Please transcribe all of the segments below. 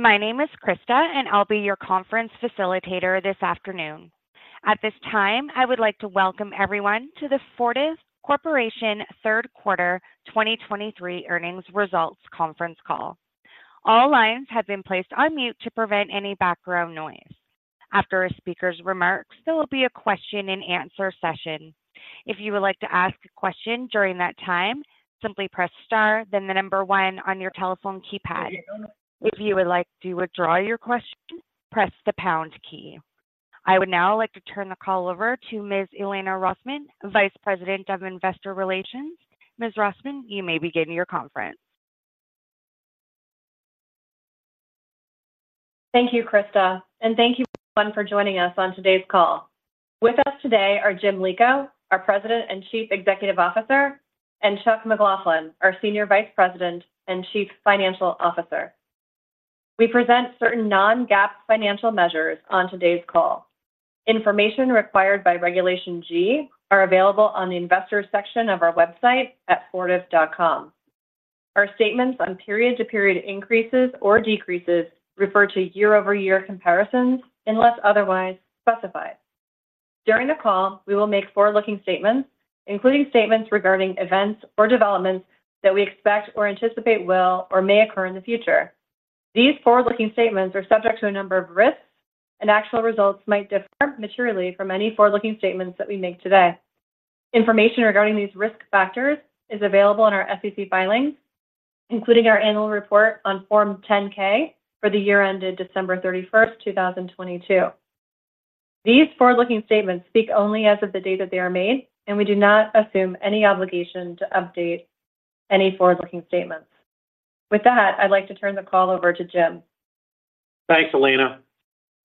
My name is Krista, and I'll be your conference facilitator this afternoon. At this time, I would like to welcome everyone to the Fortive Corporation third quarter 2023 earnings results conference call. All lines have been placed on mute to prevent any background noise. After a speaker's remarks, there will be a question-and-answer session. If you would like to ask a question during that time, simply press Star, then the number one on your telephone keypad. If you would like to withdraw your question, press the pound key. I would now like to turn the call over to Ms. Elena Rosman, Vice President of investor relations. Ms. Rosman, you may begin your conference. Thank you, Krista, and thank you everyone for joining us on today's call. With us today are Jim Lico, our President and Chief Executive Officer, and Chuck McLaughlin, our Senior Vice President and Chief Financial Officer. We present certain non-GAAP financial measures on today's call. Information required by Regulation G are available on the Investors section of our website at Fortive.com. Our statements on period-to-period increases or decreases refer to year-over-year comparisons, unless otherwise specified. During the call, we will make forward-looking statements, including statements regarding events or developments that we expect or anticipate will or may occur in the future. These forward-looking statements are subject to a number of risks, and actual results might differ materially from any forward-looking statements that we make today. Information regarding these risk factors is available in our SEC filings, including our annual report on Form 10-K for the year ended December 31, 2022. These forward-looking statements speak only as of the date that they are made, and we do not assume any obligation to update any forward-looking statements. With that, I'd like to turn the call over to Jim. Thanks, Elena.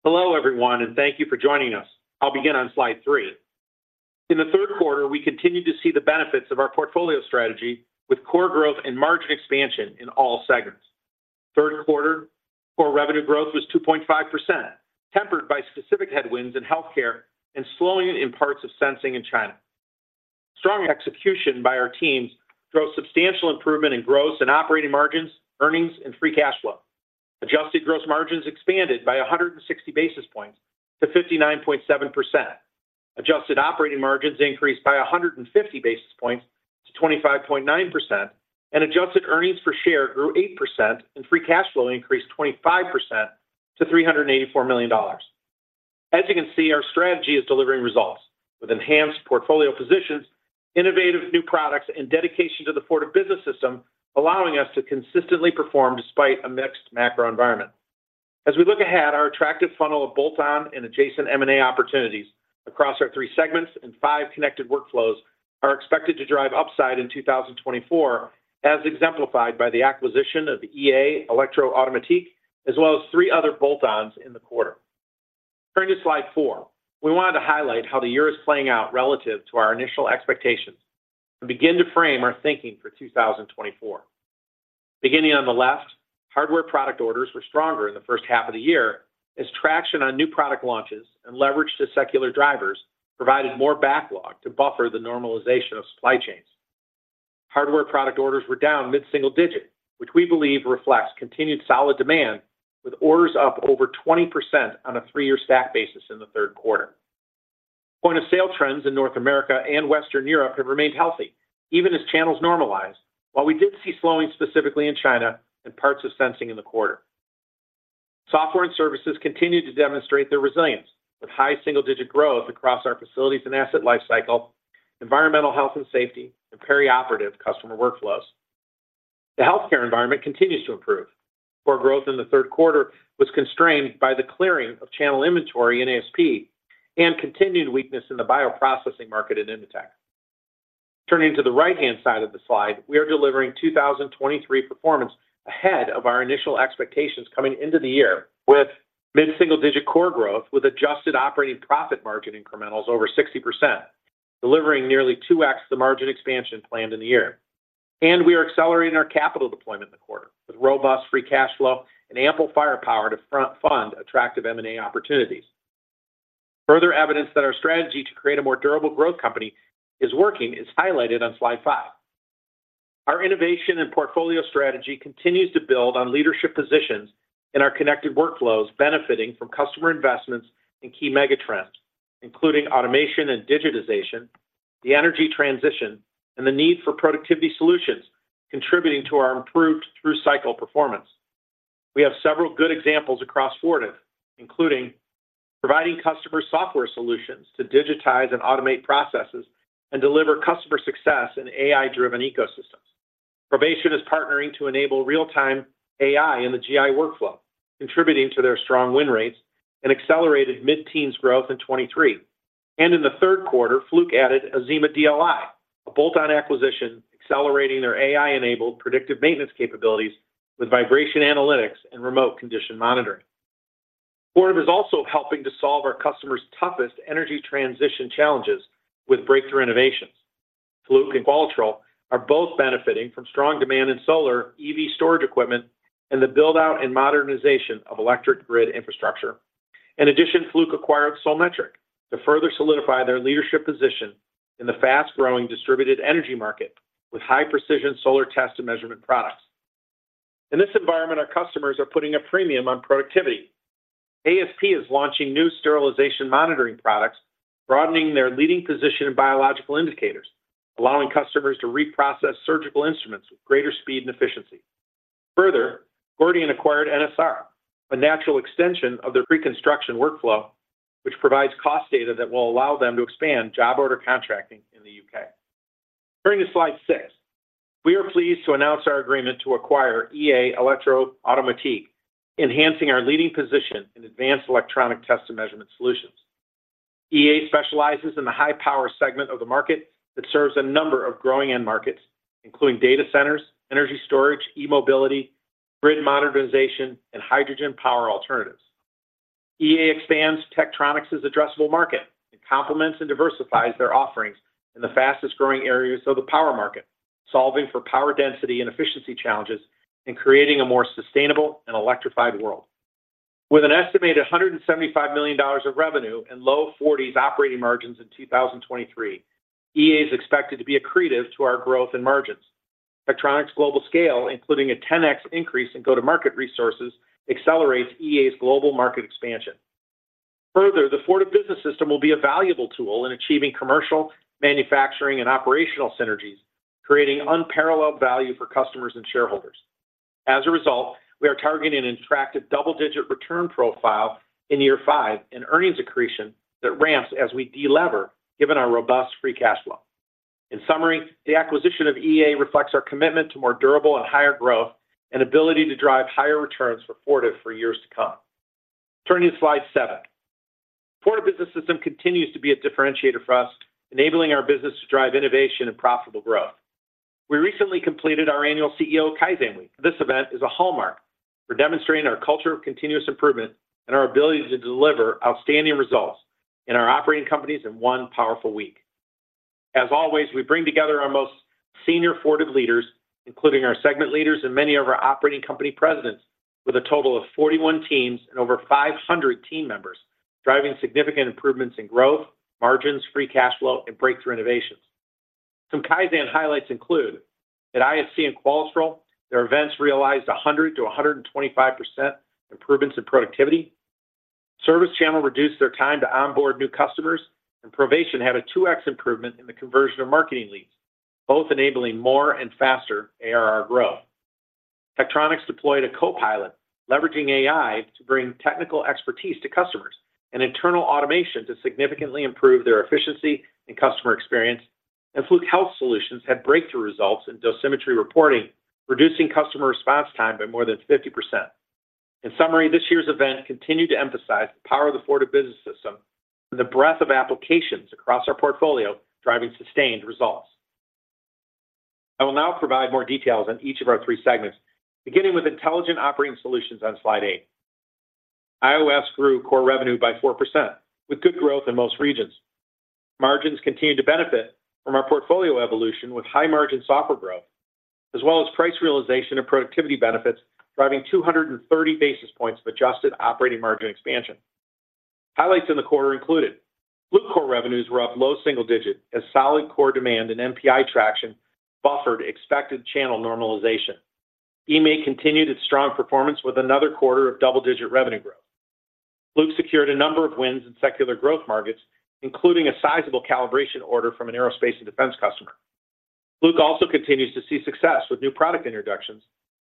Hello, everyone, and thank you for joining us. I'll begin on slide three. In the third quarter, we continued to see the benefits of our portfolio strategy with core growth and margin expansion in all segments.Q3 core revenue growth was 2.5%, tempered by specific headwinds in healthcare and slowing in parts of sensing in China. Strong execution by our teams drove substantial improvement in gross and operating margins, earnings, and free cash flow. Adjusted gross margins expanded by 160 basis points to 59.7%. Adjusted operating margins increased by 150 basis points to 25.9%, and adjusted earnings per share grew 8%, and free cash flow increased 25% to $384 million. As you can see, our strategy is delivering results with enhanced portfolio positions, innovative new products, and dedication to the Fortive Business System, allowing us to consistently perform despite a mixed macro environment. As we look ahead, our attractive funnel of bolt-on and adjacent M&A opportunities across our three segments and five connected workflows are expected to drive upside in 2024, as exemplified by the acquisition of EA Elektro-Automatik, as well as three other bolt-ons in the quarter. Turning to slide 4, we wanted to highlight how the year is playing out relative to our initial expectations and begin to frame our thinking for 2024. Beginning on the left, hardware product orders were stronger in the first half of the year, as traction on new product launches and leverage to secular drivers provided more backlog to buffer the normalization of supply chains. Hardware product orders were down mid-single-digit, which we believe reflects continued solid demand, with orders up over 20% on a three-year stack basis in the third quarter. Point-of-sale trends in North America and Western Europe have remained healthy, even as channels normalized, while we did see slowing specifically in China and parts of sensing in the quarter. Software and services continued to demonstrate their resilience, with high single-digit growth across our facilities and asset lifecycle, environmental health and safety, and perioperative customer workflows. The healthcare environment continues to improve. Core growth in the third quarter was constrained by the clearing of channel inventory in ASP and continued weakness in the bioprocessing market in Invetech. Turning to the right-hand side of the slide, we are delivering 2023 performance ahead of our initial expectations coming into the year, with mid-single-digit core growth, with adjusted operating profit margin incrementals over 60%, delivering nearly 2x the margin expansion planned in the year. We are accelerating our capital deployment in the quarter, with robust free cash flow and ample firepower to front-fund attractive M&A opportunities. Further evidence that our strategy to create a more durable growth company is working is highlighted on slide 5. Our innovation and portfolio strategy continues to build on leadership positions in our connected workflows, benefiting from customer investments in key megatrends, including automation and digitization, the energy transition, and the need for productivity solutions, contributing to our improved through-cycle performance. We have several good examples across Fortive, including providing customer software solutions to digitize and automate processes and deliver customer success in AI-driven ecosystems. Provation is partnering to enable real-time AI in the GI workflow, contributing to their strong win rates and accelerated mid-teens growth in 2023. In the third quarter, Fluke added Azima DLI, a bolt-on acquisition, accelerating their AI-enabled predictive maintenance capabilities with vibration analytics and remote condition monitoring. Fortive is also helping to solve our customers' toughest energy transition challenges with breakthrough innovations. Fluke and Qualitrol are both benefiting from strong demand in solar, EV storage equipment, and the build-out and modernization of electric grid infrastructure.... In addition, Fluke acquired Solmetric to further solidify their leadership position in the fast-growing distributed energy market with high-precision solar test and measurement products. In this environment, our customers are putting a premium on productivity. ASP is launching new sterilization monitoring products, broadening their leading position in biological indicators, allowing customers to reprocess surgical instruments with greater speed and efficiency. Further, Gordian acquired NSR, a natural extension of their pre-construction workflow, which provides cost data that will allow them to expand job order contracting in the U.K,. Turning to slide six, we are pleased to announce our agreement to acquire EA Elektro-Automatik, enhancing our leading position in advanced electronic test and measurement solutions. EA specializes in the high-power segment of the market that serves a number of growing end markets, including data centers, energy storage, e-mobility, grid modernization, and hydrogen power alternatives. EA expands Tektronix's addressable market and complements and diversifies their offerings in the fastest-growing areas of the power market, solving for power density and efficiency challenges and creating a more sustainable and electrified world. With an estimated $175 million of revenue and low 40s operating margins in 2023, EA is expected to be accretive to our growth and margins. Tektronix global scale, including a 10x increase in go-to-market resources, accelerates EA's global market expansion. Further, the Fortive Business System will be a valuable tool in achieving commercial, manufacturing, and operational synergies, creating unparalleled value for customers and shareholders. As a result, we are targeting an attractive double-digit return profile in year five and earnings accretion that ramps as we de-lever, given our robust free cash flow. In summary, the acquisition of EA reflects our commitment to more durable and higher growth and ability to drive higher returns for Fortive for years to come. Turning to slide 7. Fortive Business System continues to be a differentiator for us, enabling our business to drive innovation and profitable growth. We recently completed our annual CEO Kaizen Week. This event is a hallmark for demonstrating our culture of continuous improvement and our ability to deliver outstanding results in our operating companies in one powerful week. As always, we bring together our most senior Fortive leaders, including our segment leaders and many of our operating company presidents, with a total of 41 teams and over 500 team members, driving significant improvements in growth, margins, free cash flow, and breakthrough innovations. Some Kaizen highlights include: at ISC and Qualitrol, their events realized 100%-125% improvements in productivity. ServiceChannel reduced their time to onboard new customers, and Provation had a 2x improvement in the conversion of marketing leads, both enabling more and faster ARR growth. Tektronix deployed a copilot, leveraging AI to bring technical expertise to customers and internal automation to significantly improve their efficiency and customer experience. Fluke Health Solutions had breakthrough results in dosimetry reporting, reducing customer response time by more than 50%. In summary, this year's event continued to emphasize the power of the Fortive Business System and the breadth of applications across our portfolio, driving sustained results. I will now provide more details on each of our three segments, beginning with Intelligent Operating Solutions on Slide 8. IOS grew core revenue by 4%, with good growth in most regions. Margins continued to benefit from our portfolio evolution, with high-margin software growth, as well as price realization and productivity benefits, driving 230 basis points of adjusted operating margin expansion. Highlights in the quarter included: Fluke core revenues were up low single-digit, as solid core demand and NPI traction buffered expected channel normalization. EMA continued its strong performance with another quarter of double-digit revenue growth. Fluke secured a number of wins in secular growth markets, including a sizable calibration order from an aerospace and defense customer. Fluke also continues to see success with new product introductions,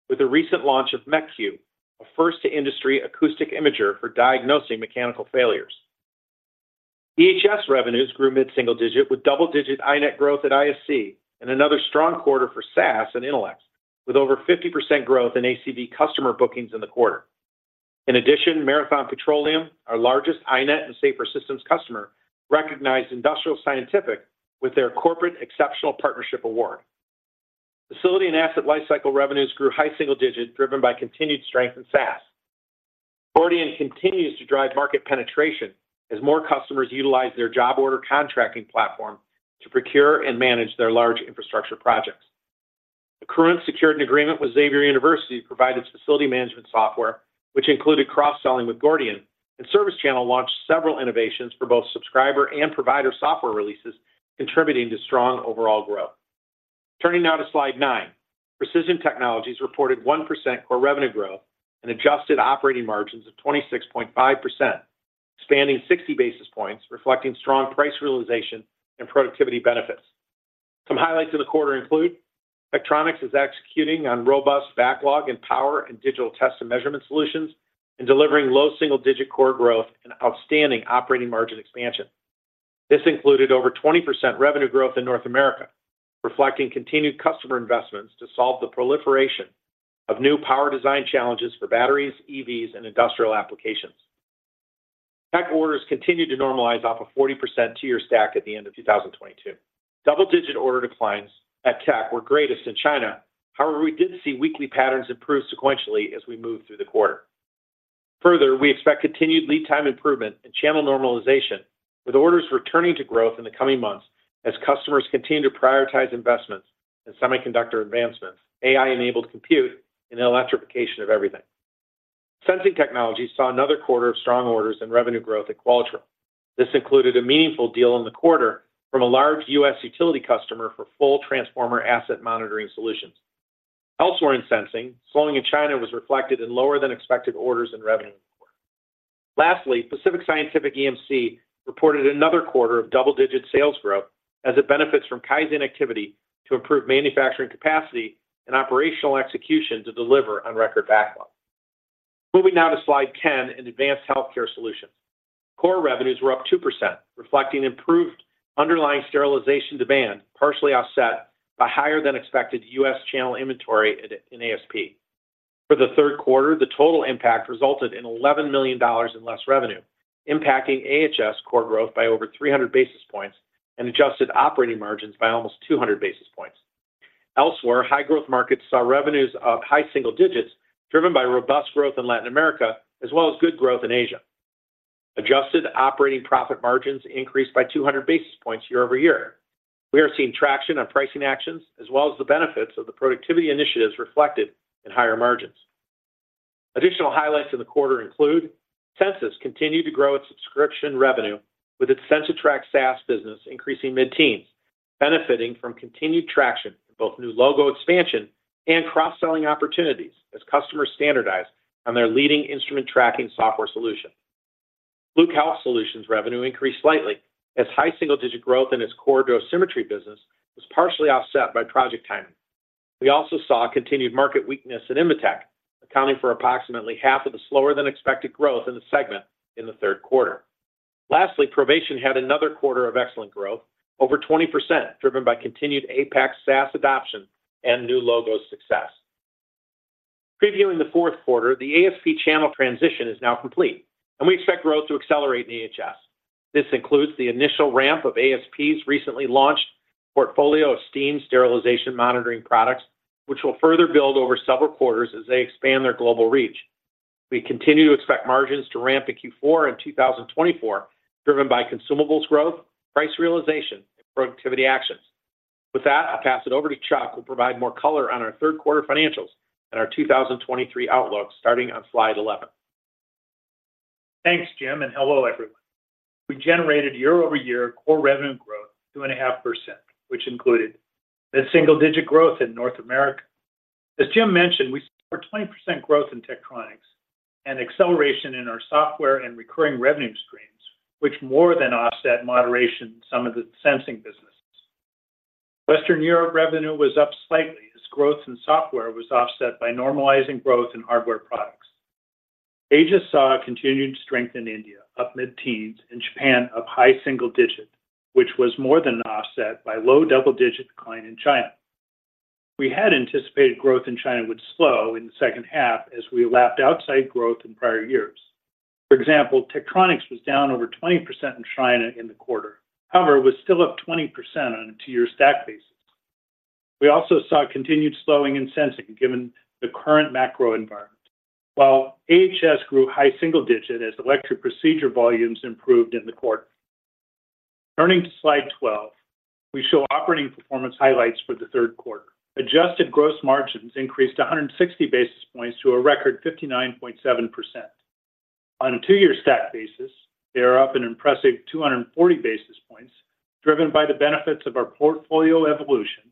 with the recent launch of MecQ, a first-to-industry acoustic imager for diagnosing mechanical failures. EHS revenues grew mid-single-digit, with double-digit iNET growth at ISC and another strong quarter for SaaS and Intelex, with over 50% growth in ACV customer bookings in the quarter. In addition, Marathon Petroleum, our largest iNET and Safer Systems customer, recognized Industrial Scientific with their Corporate Exceptional Partnership Award. Facility and asset lifecycle revenues grew high single-digit, driven by continued strength in SaaS. Gordian continues to drive market penetration as more customers utilize their job order contracting platform to procure and manage their large infrastructure projects. Accruent secured an agreement with Xavier University to provide its facility management software, which included cross-selling with Gordian, and Service Channel launched several innovations for both subscriber and provider software releases, contributing to strong overall growth. Turning now to Slide 9, Precision Technologies reported 1% core revenue growth and adjusted operating margins of 26.5%, expanding 60 basis points, reflecting strong price realization and productivity benefits. Some highlights in the quarter include Tektronix is executing on robust backlog in power and digital test and measurement solutions and delivering low single-digit core growth and outstanding operating margin expansion. This included over 20% revenue growth in North America, reflecting continued customer investments to solve the proliferation of new power design challenges for batteries, EVs, and industrial applications. Tek orders continued to normalize off a 40% two-year stack at the end of 2022. Double-digit order declines at Tek were greatest in China. However, we did see weekly patterns improve sequentially as we moved through the quarter. Further, we expect continued lead time improvement and channel normalization. With orders returning to growth in the coming months, as customers continue to prioritize investments in semiconductor advancements, AI-enabled compute, and electrification of everything. Sensing Technologies saw another quarter of strong orders and revenue growth at Qualitrol. This included a meaningful deal in the quarter from a large U.S. utility customer for full transformer asset monitoring solutions. Elsewhere in sensing, slowing in China was reflected in lower than expected orders and revenue. Lastly, Pacific Scientific EMC reported another quarter of double-digit sales growth as it benefits from Kaizen activity to improve manufacturing capacity and operational execution to deliver on record backlog. Moving now to Slide 10 in Advanced Healthcare Solutions. Core revenues were up 2%, reflecting improved underlying sterilization demand, partially offset by higher than expected U.S. channel inventory in ASP. For the third quarter, the total impact resulted in $11 million in less revenue, impacting AHS core growth by over 300 basis points and adjusted operating margins by almost 200 basis points. Elsewhere, high-growth markets saw revenues of high single digits, driven by robust growth in Latin America, as well as good growth in Asia. Adjusted operating profit margins increased by 200 basis points year-over-year. We are seeing traction on pricing actions, as well as the benefits of the productivity initiatives reflected in higher margins. Additional highlights in the quarter include: Censis continued to grow its subscription revenue, with its CensiTrac SaaS business increasing mid-teens, benefiting from continued traction in both new logo expansion and cross-selling opportunities as customers standardize on their leading instrument tracking software solution. Fluke Health Solutions revenue increased slightly, as high single-digit growth in its core dosimetry business was partially offset by project timing. We also saw a continued market weakness in Invitech, accounting for approximately half of the slower than expected growth in the segment in the third quarter. Lastly, Provation had another quarter of excellent growth, over 20%, driven by continued APAC SaaS adoption and new logo success. Previewing the fourth quarter, the ASP channel transition is now complete, and we expect growth to accelerate in AHS. This includes the initial ramp of ASP's recently launched portfolio of steam sterilization monitoring products, which will further build over several quarters as they expand their global reach. We continue to expect margins to ramp in Q4 and 2024, driven by consumables growth, price realization, and productivity actions. With that, I'll pass it over to Chuck, who will provide more color on our third quarter financials and our 2023 outlook, starting on slide 11. Thanks, Jim, and hello, everyone. We generated year-over-year Core Revenue Growth of 2.5%, which included single-digit growth in North America. As Jim mentioned, we saw 20% growth in Tektronix and acceleration in our software and recurring revenue streams, which more than offset moderation in some of the sensing businesses. Western Europe revenue was up slightly as growth in software was offset by normalizing growth in hardware products. Asia saw continued strength in India, up mid-teens, and Japan up high single digits, which was more than offset by low double-digit decline in China. We had anticipated growth in China would slow in the second half as we lapped outsized growth in prior years. For example, Tektronix was down over 20% in China in the quarter. However, it was still up 20% on a two-year stack basis. We also saw continued slowing in sensing, given the current macro environment, while AHS grew high single digit as electric procedure volumes improved in the quarter. Turning to Slide 12, we show operating performance highlights for the third quarter. Adjusted gross margins increased 160 basis points to a record 59.7%. On a two-year stack basis, they are up an impressive 240 basis points, driven by the benefits of our portfolio evolution,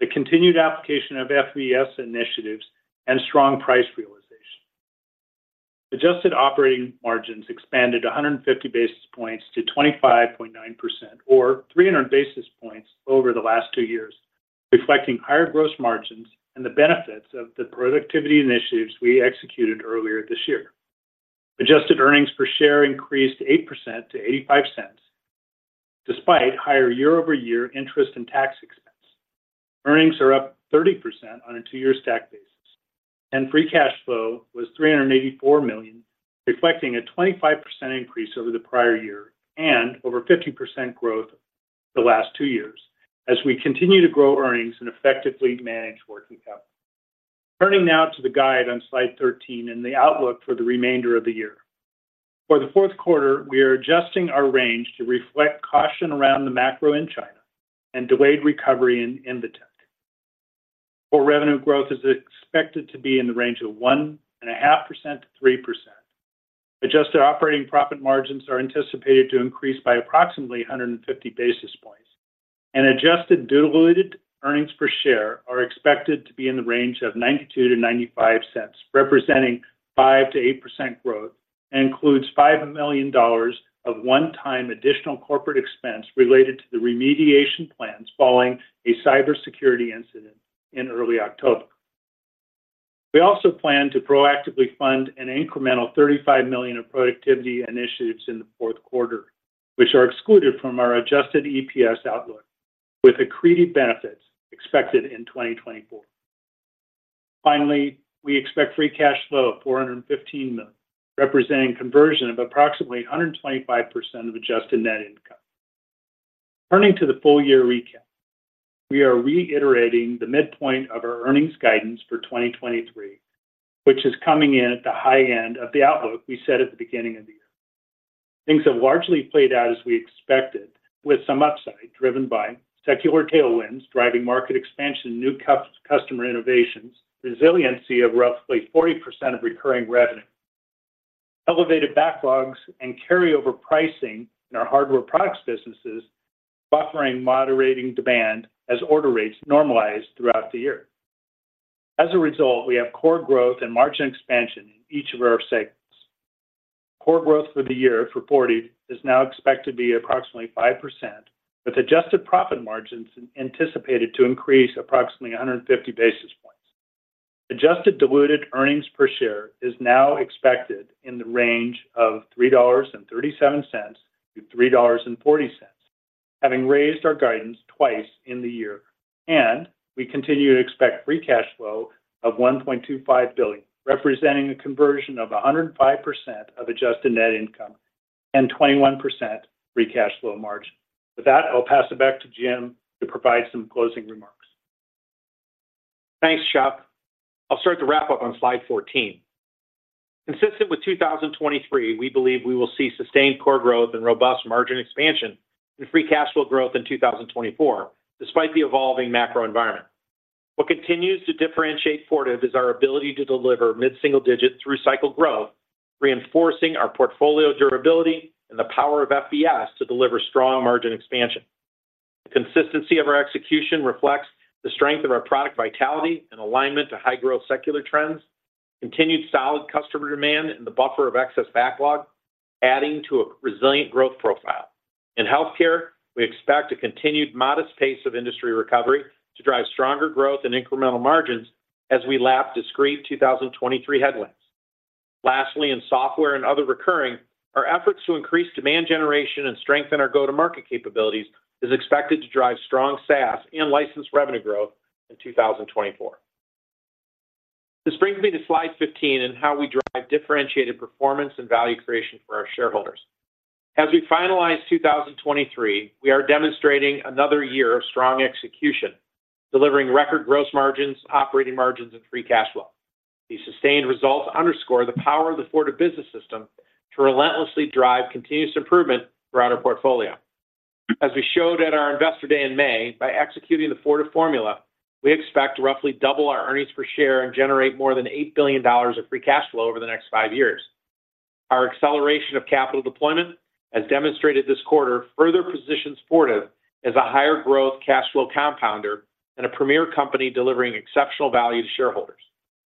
the continued application of FBS initiatives, and strong price realization. Adjusted operating margins expanded 150 basis points to 25.9% or 300 basis points over the last two years, reflecting higher gross margins and the benefits of the productivity initiatives we executed earlier this year. Adjusted earnings per share increased 8% to $0.85, despite higher year-over-year interest and tax expense. Earnings are up 30% on a two-year stack basis, and free cash flow was $384 million, reflecting a 25% increase over the prior year and over 50% growth the last two years as we continue to grow earnings and effectively manage working capital. Turning now to the guide on Slide 13 and the outlook for the remainder of the year. For the fourth quarter, we are adjusting our range to reflect caution around the macro in China and delayed recovery in Invetech. Core revenue growth is expected to be in the range of 1.5%-3%. Adjusted operating profit margins are anticipated to increase by approximately 150 basis points, and adjusted diluted earnings per share are expected to be in the range of $0.92-$0.95, representing 5%-8% growth, and includes $5 million of one-time additional corporate expense related to the remediation plans following a cybersecurity incident in early October. We also plan to proactively fund an incremental $35 million of productivity initiatives in the fourth quarter, which are excluded from our adjusted EPS outlook, with accreted benefits expected in 2024. Finally, we expect free cash flow of $415 million, representing conversion of approximately 125% of adjusted net income. Turning to the full year recap, we are reiterating the midpoint of our earnings guidance for 2023, which is coming in at the high end of the outlook we set at the beginning of the year. Things have largely played out as we expected, with some upside driven by secular tailwinds, driving market expansion, new customer innovations, resiliency of roughly 40% of recurring revenue, elevated backlogs, and carryover pricing in our hardware products businesses, buffering moderating demand as order rates normalized throughout the year. As a result, we have core growth and margin expansion in each of our segments. Core growth for the year reported is now expected to be approximately 5%, with adjusted profit margins anticipated to increase approximately 150 basis points. Adjusted diluted earnings per share is now expected in the range of $3.37-$3.40, having raised our guidance twice in the year, and we continue to expect free cash flow of $1.25 billion, representing a conversion of 105% of adjusted net income and 21% free cash flow margin. With that, I'll pass it back to Jim to provide some closing remarks. Thanks, Chuck. I'll start the wrap up on slide 14. Consistent with 2023, we believe we will see sustained core growth and robust margin expansion and free cash flow growth in 2024, despite the evolving macro environment. What continues to differentiate Fortive is our ability to deliver mid-single-digit through-cycle growth, reinforcing our portfolio durability and the power of FBS to deliver strong margin expansion. The consistency of our execution reflects the strength of our product vitality and alignment to high-growth secular trends, continued solid customer demand, and the buffer of excess backlog, adding to a resilient growth profile. In healthcare, we expect a continued modest pace of industry recovery to drive stronger growth and incremental margins as we lap discrete 2023 headwinds. Lastly, in software and other recurring, our efforts to increase demand generation and strengthen our go-to-market capabilities is expected to drive strong SaaS and licensed revenue growth in 2024. This brings me to slide 15 and how we drive differentiated performance and value creation for our shareholders. As we finalize 2023, we are demonstrating another year of strong execution, delivering record gross margins, operating margins, and free cash flow. These sustained results underscore the power of the Fortive Business System to relentlessly drive continuous improvement throughout our portfolio. As we showed at our Investor Day in May, by executing the Fortive formula, we expect to roughly double our earnings per share and generate more than $8 billion of free cash flow over the next five years. Our acceleration of capital deployment, as demonstrated this quarter, further positions Fortive as a higher growth cash flow compounder and a premier company delivering exceptional value to shareholders.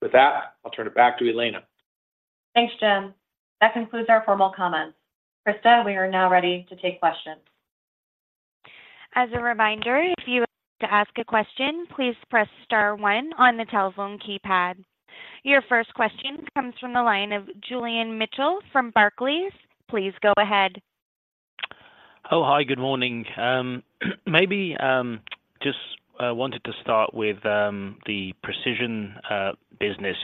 With that, I'll turn it back to Elena. Thanks, Jim. That concludes our formal comments. Krista, we are now ready to take questions. As a reminder, if you would like to ask a question, please press star one on the telephone keypad. Your first question comes from the line of Julian Mitchell from Barclays. Please go ahead. Oh, hi, good morning. Maybe just wanted to start with the precision business,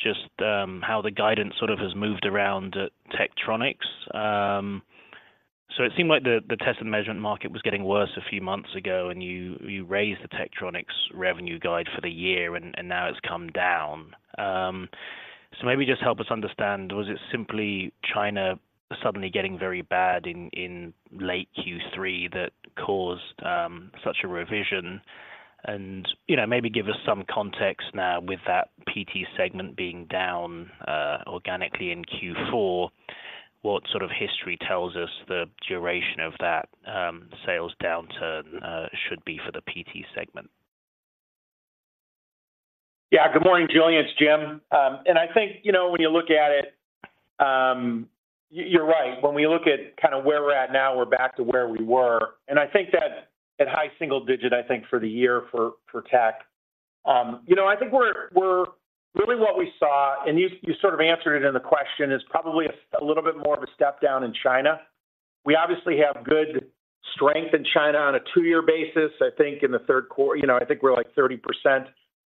just how the guidance sort of has moved around at Tektronix. So it seemed like the test and measurement market was getting worse a few months ago, and you raised the Tektronix revenue guide for the year, and now it's come down. So maybe just help us understand, was it simply China suddenly getting very bad in late Q3 that caused such a revision? And, you know, maybe give us some context now with that PT segment being down organically in Q4, what sort of history tells us the duration of that sales downturn should be for the PT segment? Yeah. Good morning, Julian, it's Jim. And I think, you know, when you look at it, you're right. When we look at kind of where we're at now, we're back to where we were, and I think that at high single-digit, I think for the year for, for tech. You know, I think we're really what we saw, and you, you sort of answered it in the question, is probably a little bit more of a step down in China. We obviously have good strength in China on a two-year basis. I think in the third quarter, you know, I think we're, like, 30%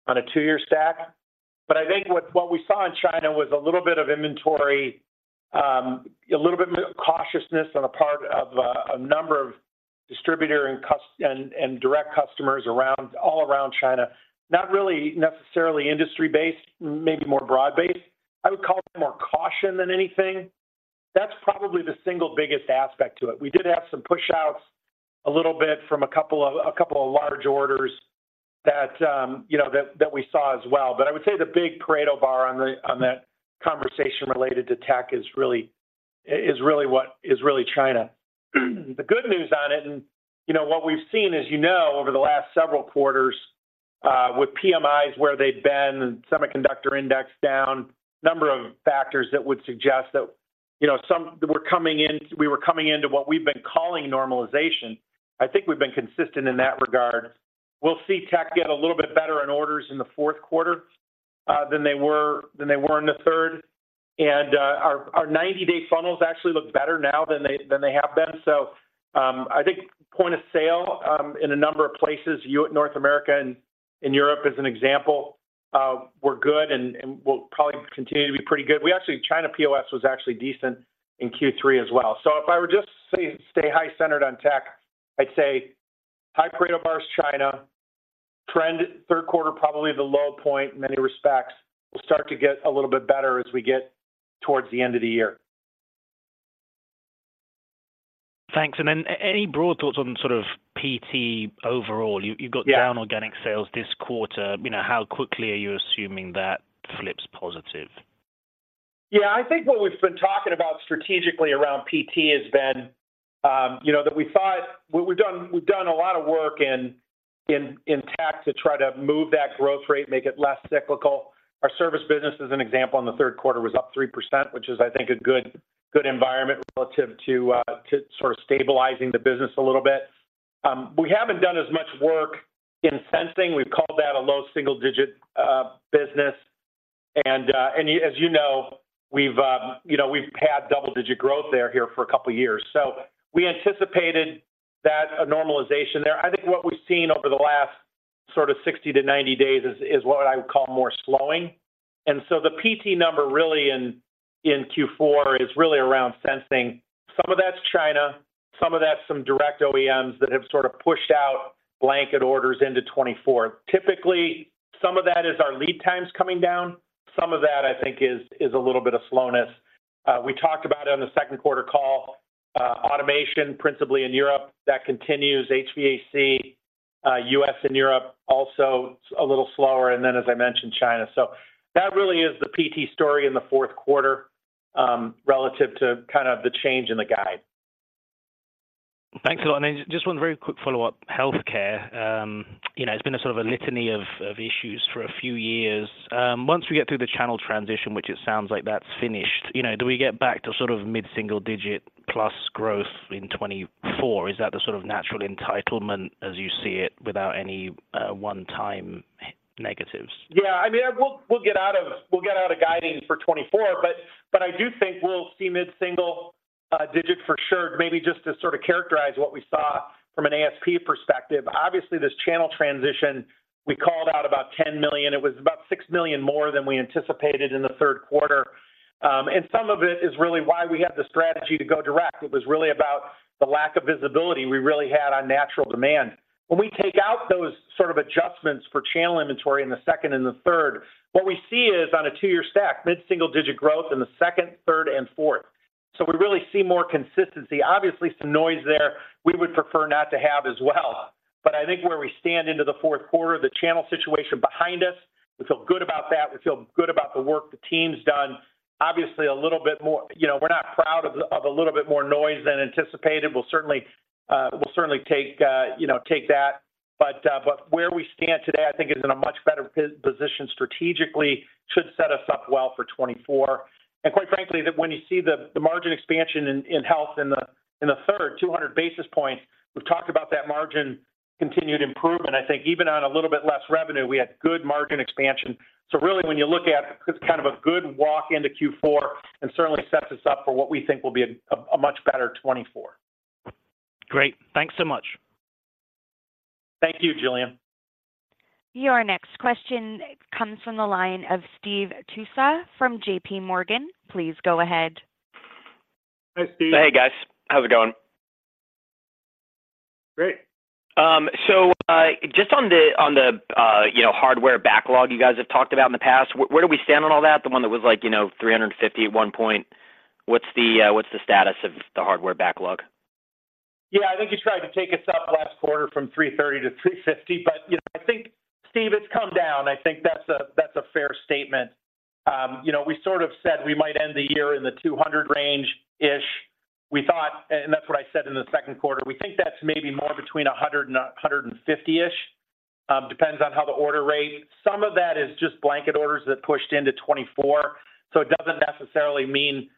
on a two-year stack. But I think what we saw in China was a little bit of inventory, a little bit of cautiousness on the part of a number of distributor and customers and direct customers around all around China. Not really necessarily industry-based, maybe more broad-based. I would call it more caution than anything. That's probably the single biggest aspect to it. We did have some pushouts, a little bit from a couple of large orders that, you know, that we saw as well. But I would say the big Pareto bar on that conversation related to tech is really, is really what is really China. The good news on it, and you know, what we've seen, as you know, over the last several quarters, with PMIs, where they've been, semiconductor index down, number of factors that would suggest that, you know, some. We were coming into what we've been calling normalization. I think we've been consistent in that regard. We'll see tech get a little bit better in orders in the fourth quarter, than they were, than they were in the third. And, our 90-day funnels actually look better now than they have been. So, I think point of sale, in a number of places, in North America and in Europe, as an example, we're good, and we'll probably continue to be pretty good. We actually, China POS was actually decent in Q3 as well. So, if I were just to say, stay high-centered on tech, I'd say high bar for our China trend, third quarter, probably the low point in many respects, will start to get a little bit better as we get towards the end of the year. Thanks. And then any broad thoughts on sort of PT overall? You- Yeah You've got down organic sales this quarter. You know, how quickly are you assuming that flips positive? Yeah, I think what we've been talking about strategically around PT has been, you know, that we thought we've done, we've done a lot of work in tech to try to move that growth rate, make it less cyclical. Our service business, as an example, in the third quarter, was up 3%, which is, I think, a good, good environment relative to to sort of stabilizing the business a little bit. We haven't done as much work in sensing. We've called that a low single digit business. And as you know, we've you know, we've had double-digit growth there here for a couple of years. So we anticipated that a normalization there. I think what we've seen over the last sort of 60-90 days is what I would call more slowing. And so the PT number really in Q4 is really around sensing. Some of that's China, some of that's some direct OEMs that have sort of pushed out blanket orders into 2024. Typically, some of that is our lead times coming down. Some of that, I think is a little bit of slowness. We talked about it on the second quarter call, automation, principally in Europe, that continues. HVAC, U.S. and Europe, also a little slower, and then, as I mentioned, China. So that really is the PT story in the fourth quarter, relative to kind of the change in the guide. Thanks a lot. Just one very quick follow-up, healthcare. You know, it's been a sort of a litany of issues for a few years. Once we get through the channel transition, which it sounds like that's finished, you know, do we get back to sort of mid-single digit plus growth in 2024? Is that the sort of natural entitlement as you see it without any one-time negatives? Yeah, I mean, we'll get out of guiding for 2024, but I do think we'll see mid-single digit for sure, maybe just to sort of characterize what we saw from an ASP perspective. Obviously, this channel transition, we called out about $10 million. It was about $6 million more than we anticipated in the third quarter. And some of it is really why we have the strategy to go direct. It was really about the lack of visibility we really had on natural demand. When we take out those sort of adjustments for channel inventory in the second and the third, what we see is on a two-year stack, mid-single digit growth in the second, third, and fourth. So we really see more consistency. Obviously, some noise there we would prefer not to have as well. But I think where we stand into the fourth quarter, the channel situation behind us, we feel good about that. We feel good about the work the team's done. Obviously, a little bit more... You know, we're not proud of, of a little bit more noise than anticipated. We'll certainly, we'll certainly take, you know, take that. But, but where we stand today, I think is in a much better position strategically, should set us up well for 2024. And quite frankly, that when you see the, the margin expansion in, in health in the, in the third, 200 basis points, we've talked about that margin continued improvement. I think even on a little bit less revenue, we had good margin expansion. So really, when you look at it, it's kind of a good walk into Q4 and certainly sets us up for what we think will be a much better 2024. Great. Thanks so much. Thank you, Julian. Your next question comes from the line of Steve Tusa from JPMorgan. Please go ahead. Hi, Steve. Hey, guys. How's it going? Great. So, just on the hardware backlog you guys have talked about in the past, where do we stand on all that? The one that was like, you know, 350 at one point. What's the status of the hardware backlog? Yeah, I think you tried to take us up last quarter from 330 to 350, but, you know, I think, Steve, it's come down. I think that's a, that's a fair statement. You know, we sort of said we might end the year in the 200 range-ish. We thought, and that's what I said in the second quarter, we think that's maybe more between 100 and 150-ish. Depends on how the order rate. Some of that is just blanket orders that pushed into 2024, so it doesn't necessarily mean,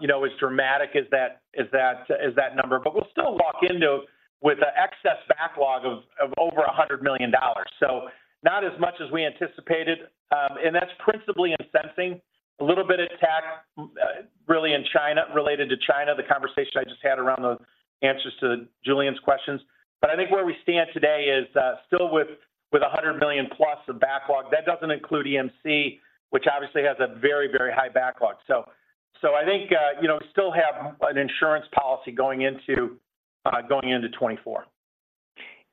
you know, as dramatic as that number. But we'll still walk into 2024 with an excess backlog of over $100 million. So not as much as we anticipated, and that's principally in sensing. A little bit of talk, really in China, related to China, the conversation I just had around the answers to Julian's questions. But I think where we stand today is still with a $100 million+ of backlog. That doesn't include EMC, which obviously has a very, very high backlog. So I think, you know, we still have an insurance policy going into going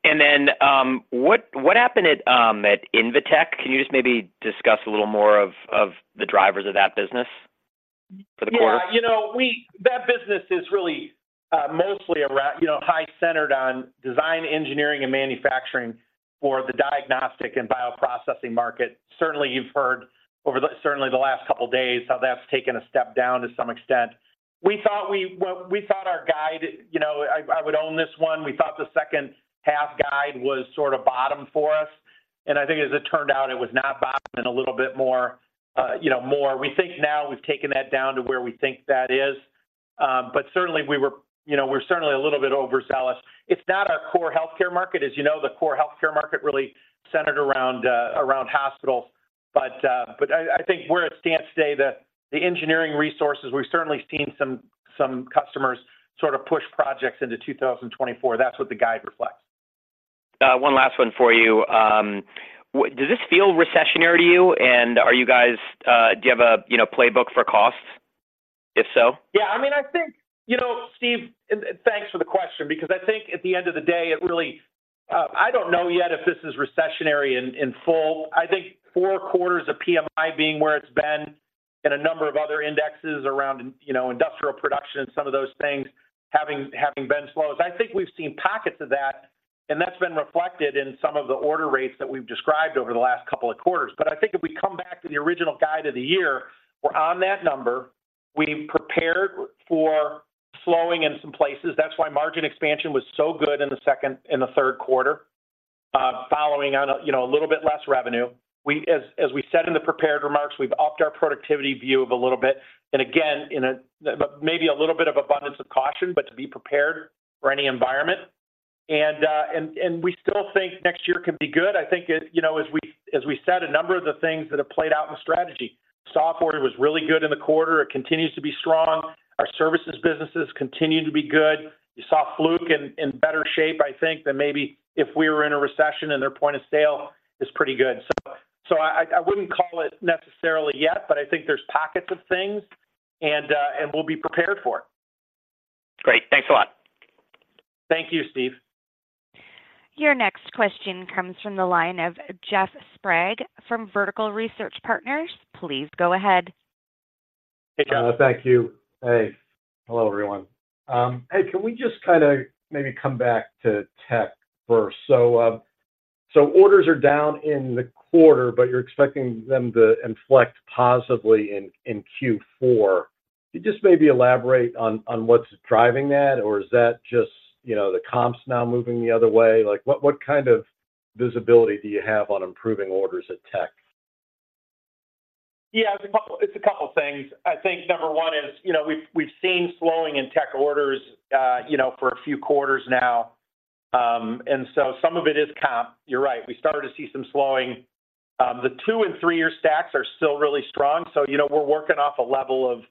into 2024. What happened at Invitech? Can you just maybe discuss a little more of the drivers of that business for the quarter? Yeah, you know, we - that business is really mostly around, you know, high centered on design, engineering, and manufacturing for the diagnostic and bioprocessing market. Certainly, you've heard over the last couple of days how that's taken a step down to some extent. We thought we - Well, we thought our guide, you know, I would own this one. We thought the second half guide was sort of bottom for us, and I think as it turned out, it was not bottom and a little bit more, you know, more. We think now we've taken that down to where we think that is. But certainly, we were, you know, we're certainly a little bit overzealous. It's not our core healthcare market. As you know, the core healthcare market really centered around hospitals. But I think where it stands today, the engineering resources, we've certainly seen some customers sort of push projects into 2024, that's what the guide reflects. One last one for you. Does this feel recessionary to you, and are you guys, do you have a, you know, playbook for costs, if so? Yeah. I mean, I think, you know, Steve, and thanks for the question, because I think at the end of the day, it really, I don't know yet if this is recessionary in full. I think four quarters of PMI being where it's been and a number of other indexes around, you know, industrial production and some of those things having been slow. I think we've seen pockets of that, and that's been reflected in some of the order rates that we've described over the last couple of quarters. But I think if we come back to the original guide of the year, we're on that number. We prepared for slowing in some places. That's why margin expansion was so good in the second and the third quarter, following on a, you know, a little bit less revenue. As, as we said in the prepared remarks, we've upped our productivity view of a little bit, and again, in a, maybe a little bit of abundance of caution, but to be prepared for any environment. And, and we still think next year can be good. I think it, you know, as we, as we said, a number of the things that have played out in the strategy. Software was really good in the quarter, it continues to be strong. Our services businesses continue to be good. You saw Fluke in, in better shape, I think, than maybe if we were in a recession, and their point of sale is pretty good. So, so I, I wouldn't call it necessarily yet, but I think there's pockets of things, and, and we'll be prepared for it. Great. Thanks a lot. Thank you, Steve. Your next question comes from the line of Jeff Sprague from Vertical Research Partners. Please go ahead. Hey, Jeff. Thank you. Hey. Hello, everyone. Hey, can we just kind of maybe come back to tech first? So, orders are down in the quarter, but you're expecting them to inflect positively in Q4. Can you just maybe elaborate on what's driving that, or is that just, you know, the comps now moving the other way? Like, what kind of visibility do you have on improving orders at tech? Yeah, it's a couple- it's a couple things. I think number one is, you know, we've, we've seen slowing in tech orders, you know, for a few quarters now. And so some of it is comp. You're right, we started to see some slowing. The two and three-year stacks are still really strong. So, you know, we're working off a level of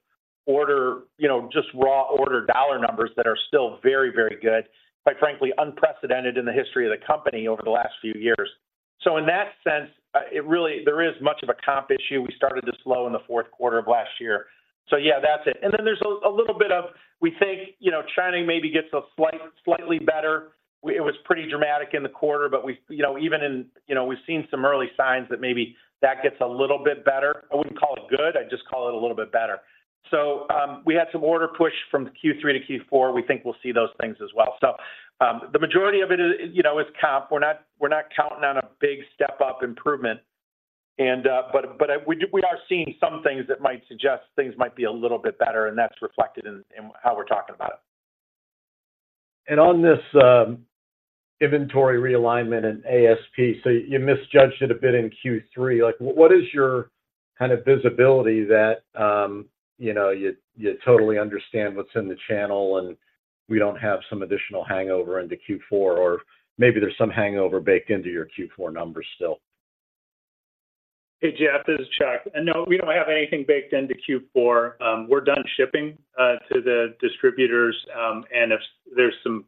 order, you know, just raw order dollar numbers that are still very, very good, but frankly, unprecedented in the history of the company over the last few years. So in that sense, it really- there is much of a comp issue. We started to slow in the fourth quarter of last year. So yeah, that's it. And then there's a, a little bit of, we think, you know, China maybe gets a slight- slightly better. It was pretty dramatic in the quarter, but we, you know, even in. You know, we've seen some early signs that maybe that gets a little bit better. I wouldn't call it good. I'd just call it a little bit better. So, we had some order push from Q3 to Q4. We think we'll see those things as well. So, the majority of it is, you know, is comp. We're not, we're not counting on a big step-up improvement. And, but, but we, we are seeing some things that might suggest things might be a little bit better, and that's reflected in, in how we're talking about it. On this inventory realignment and ASP, so you misjudged it a bit in Q3. Like, what is your kind of visibility that, you know, you totally understand what's in the channel, and we don't have some additional hangover into Q4, or maybe there's some hangover baked into your Q4 numbers still? Hey, Jeff, this is Chuck. No, we don't have anything baked into Q4. We're done shipping to the distributors, and if there's some...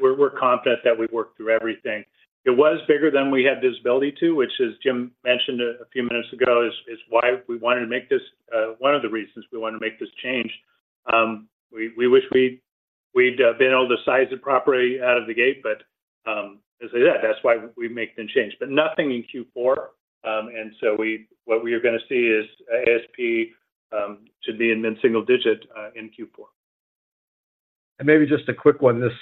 We're confident that we've worked through everything. It was bigger than we had visibility to, which, as Jim mentioned a few minutes ago, is why we wanted to make this—one of the reasons we wanted to make this change. We wish we'd been able to size it properly out of the gate, but as I said, that's why we make the change, but nothing in Q4. And so what we are gonna see is ASP to be in mid-single digit in Q4. Maybe just a quick one. This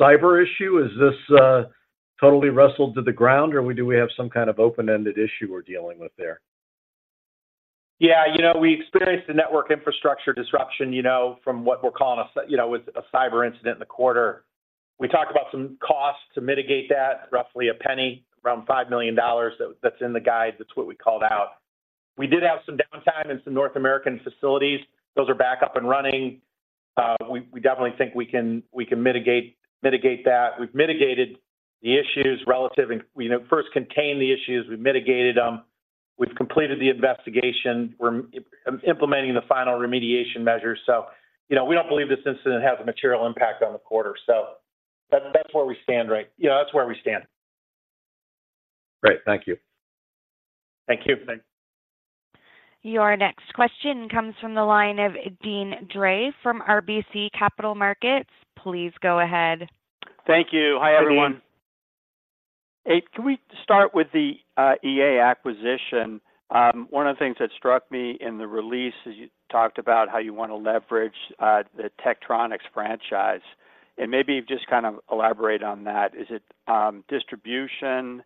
cyber issue, is this totally wrestled to the ground, or we- do we have some kind of open-ended issue we're dealing with there? Yeah, you know, we experienced a network infrastructure disruption, you know, from what we're calling a cyber incident in the quarter. We talked about some costs to mitigate that, roughly $0.01, around $5 million. That's in the guide. That's what we called out. We did have some downtime in some North American facilities. Those are back up and running. We definitely think we can mitigate that. We've mitigated the issues relative and, you know, first contained the issues, we mitigated them. We've completed the investigation. We're implementing the final remediation measures. So, you know, we don't believe this incident has a material impact on the quarter. So that's where we stand, right? You know, that's where we stand. Great. Thank you. Thank you. Thanks. Your next question comes from the line of Deane Dray from RBC Capital Markets. Please go ahead. Thank you. Hi, everyone. Hey, Dean. Hey, can we start with the EA acquisition? One of the things that struck me in the release is you talked about how you want to leverage the Tektronix franchise, and maybe just kind of elaborate on that. Is it distribution?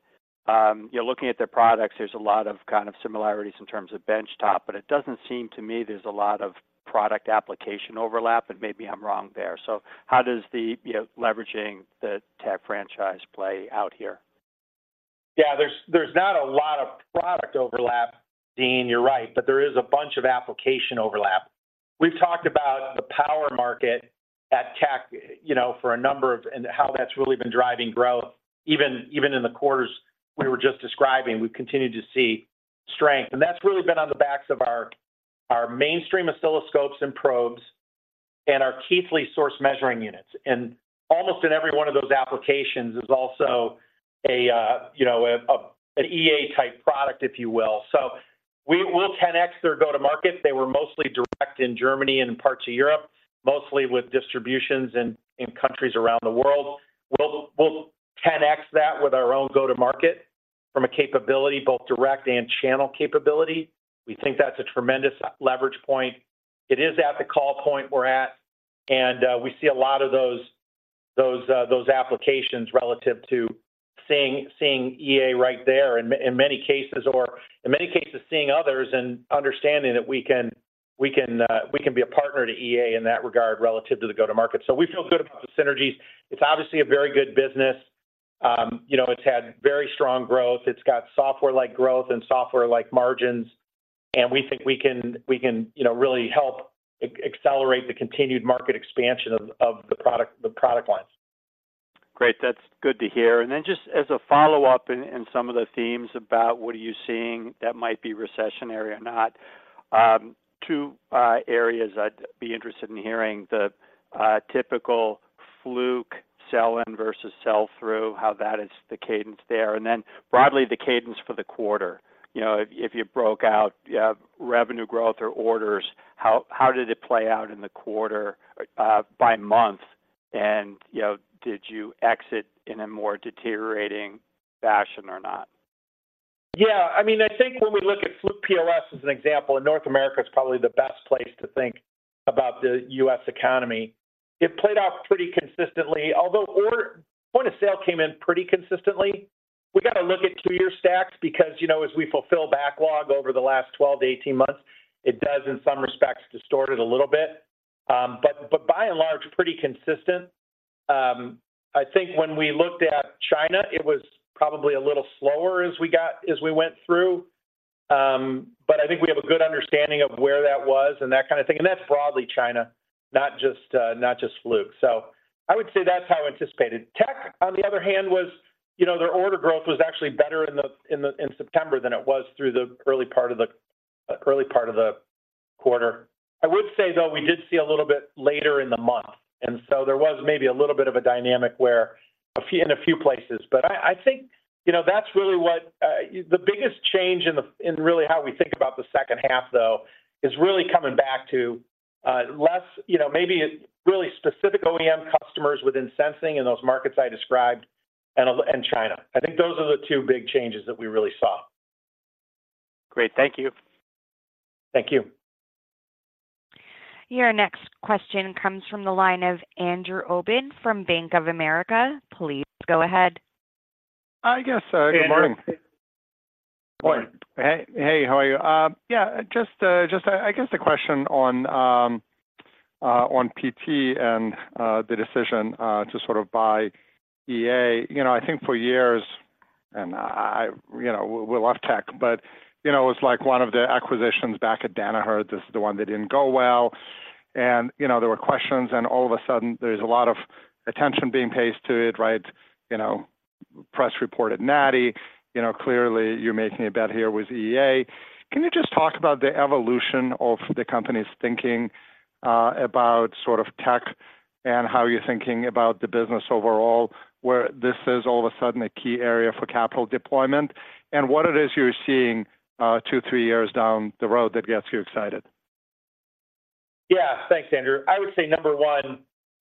You're looking at the products, there's a lot of kind of similarities in terms of benchtop, but it doesn't seem to me there's a lot of product application overlap, and maybe I'm wrong there. So how does the leveraging the Tek franchise play out here? Yeah, there's not a lot of product overlap, Dean. You're right, but there is a bunch of application overlap. We've talked about the power market at Tektronix, you know, for a number of years and how that's really been driving growth. Even in the quarters we were just describing, we've continued to see strength. And that's really been on the backs of our mainstream oscilloscopes and probes, and our Keithley source measuring units. And almost in every one of those applications is also a, you know, an EA-type product, if you will. So we'll 10x their go-to-market. They were mostly direct in Germany and parts of Europe, mostly with distributions in countries around the world. We'll 10x that with our own go-to-market from a capability, both direct and channel capability. We think that's a tremendous leverage point. It is at the call point we're at, and we see a lot of those applications relative to seeing EA right there in many cases, or in many cases, seeing others and understanding that we can be a partner to EA in that regard, relative to the go-to-market. So we feel good about the synergies. It's obviously a very good business. You know, it's had very strong growth. It's got software-like growth and software-like margins, and we think we can, you know, really help accelerate the continued market expansion of the product lines. Great. That's good to hear. And then just as a follow-up in some of the themes about what are you seeing that might be recessionary or not, two areas I'd be interested in hearing: the typical Fluke sell-in versus sell-through, how that is the cadence there, and then broadly, the cadence for the quarter. You know, if you broke out revenue growth or orders, how did it play out in the quarter by month? And, you know, did you exit in a more deteriorating fashion or not? Yeah, I mean, I think when we look at Fluke POS as an example, and North America is probably the best place to think about the U.S. economy, it played out pretty consistently. Although order-point of sale came in pretty consistently. We got to look at 2-year stacks because, you know, as we fulfill backlog over the last 12-18 months, it does, in some respects, distort it a little bit. But by and large, pretty consistent. I think when we looked at China, it was probably a little slower as we went through. But I think we have a good understanding of where that was and that kind of thing. And that's broadly China, not just, not just Fluke. So I would say that's how I anticipated. Tech, on the other hand, was, you know, their order growth was actually better in September than it was through the early part of the early part of the quarter. I would say, though, we did see a little bit later in the month, and so there was maybe a little bit of a dynamic in a few places. But I think, you know, that's really what the biggest change in really how we think about the second half, though, is really coming back to less, you know, maybe really specific OEM customers within sensing in those markets I described and China. I think those are the two big changes that we really saw. Great. Thank you. Thank you. Your next question comes from the line of Andrew Obin from Bank of America. Please go ahead. Hi, guys. Good morning. Good morning. Hey, hey, how are you? Yeah, just, I guess the question on PT and the decision to sort of buy EA. You know, I think for years, and I, you know, we love tech, but, you know, it was like one of the acquisitions back at Danaher. This is the one that didn't go well. And, you know, there were questions, and all of a sudden, there's a lot of attention being paid to it, right? You know, press reported NATI, you know, clearly you're making a bet here with EA. Can you just talk about the evolution of the company's thinking about sort of tech and how you're thinking about the business overall, where this is all of a sudden a key area for capital deployment? What it is you're seeing, 2, 3 years down the road that gets you excited? Yeah. Thanks, Andrew. I would say, number one,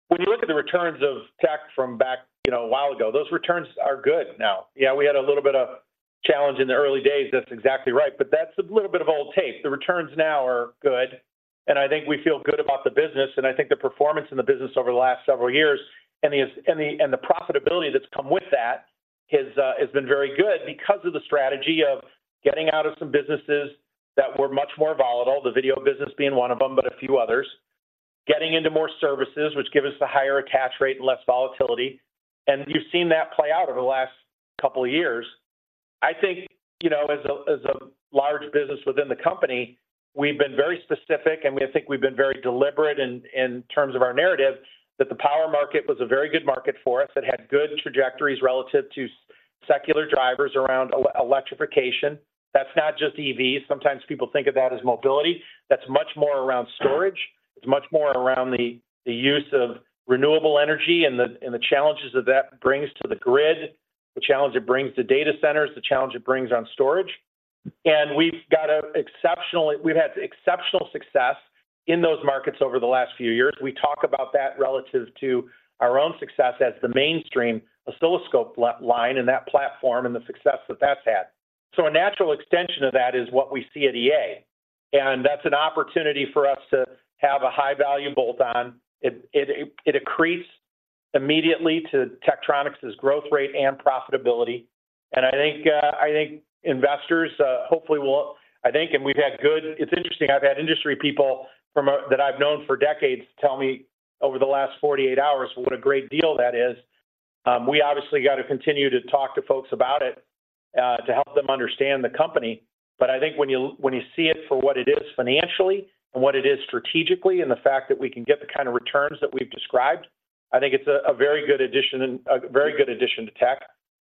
when you look at the returns of tech from back, you know, a while ago, those returns are good now. Yeah, we had a little bit of challenge in the early days, that's exactly right, but that's a little bit of old tape. The returns now are good, and I think we feel good about the business, and I think the performance in the business over the last several years and the profitability that's come with that has been very good because of the strategy of getting out of some businesses that were much more volatile, the video business being one of them, but a few others. Getting into more services, which give us the higher attach rate and less volatility, and you've seen that play out over the last couple of years. I think, you know, as a large business within the company, we've been very specific, and we think we've been very deliberate in terms of our narrative, that the power market was a very good market for us. It had good trajectories relative to secular drivers around electrification. That's not just EVs. Sometimes people think of that as mobility. That's much more around storage. It's much more around the use of renewable energy and the challenges that that brings to the grid, the challenge it brings to data centers, the challenge it brings on storage. And we've had exceptional success in those markets over the last few years. We talk about that relative to our own success as the mainstream oscilloscope line in that platform and the success that that's had. So a natural extension of that is what we see at EA, and that's an opportunity for us to have a high-value bolt-on. It accretes immediately to Tektronix's growth rate and profitability. And I think investors hopefully will—I think, and we've had good. It's interesting, I've had industry people that I've known for decades tell me over the last 48 hours what a great deal that is. We obviously got to continue to talk to folks about it to help them understand the company. But I think when you see it for what it is financially and what it is strategically, and the fact that we can get the kind of returns that we've described, I think it's a very good addition and a very good addition to tech,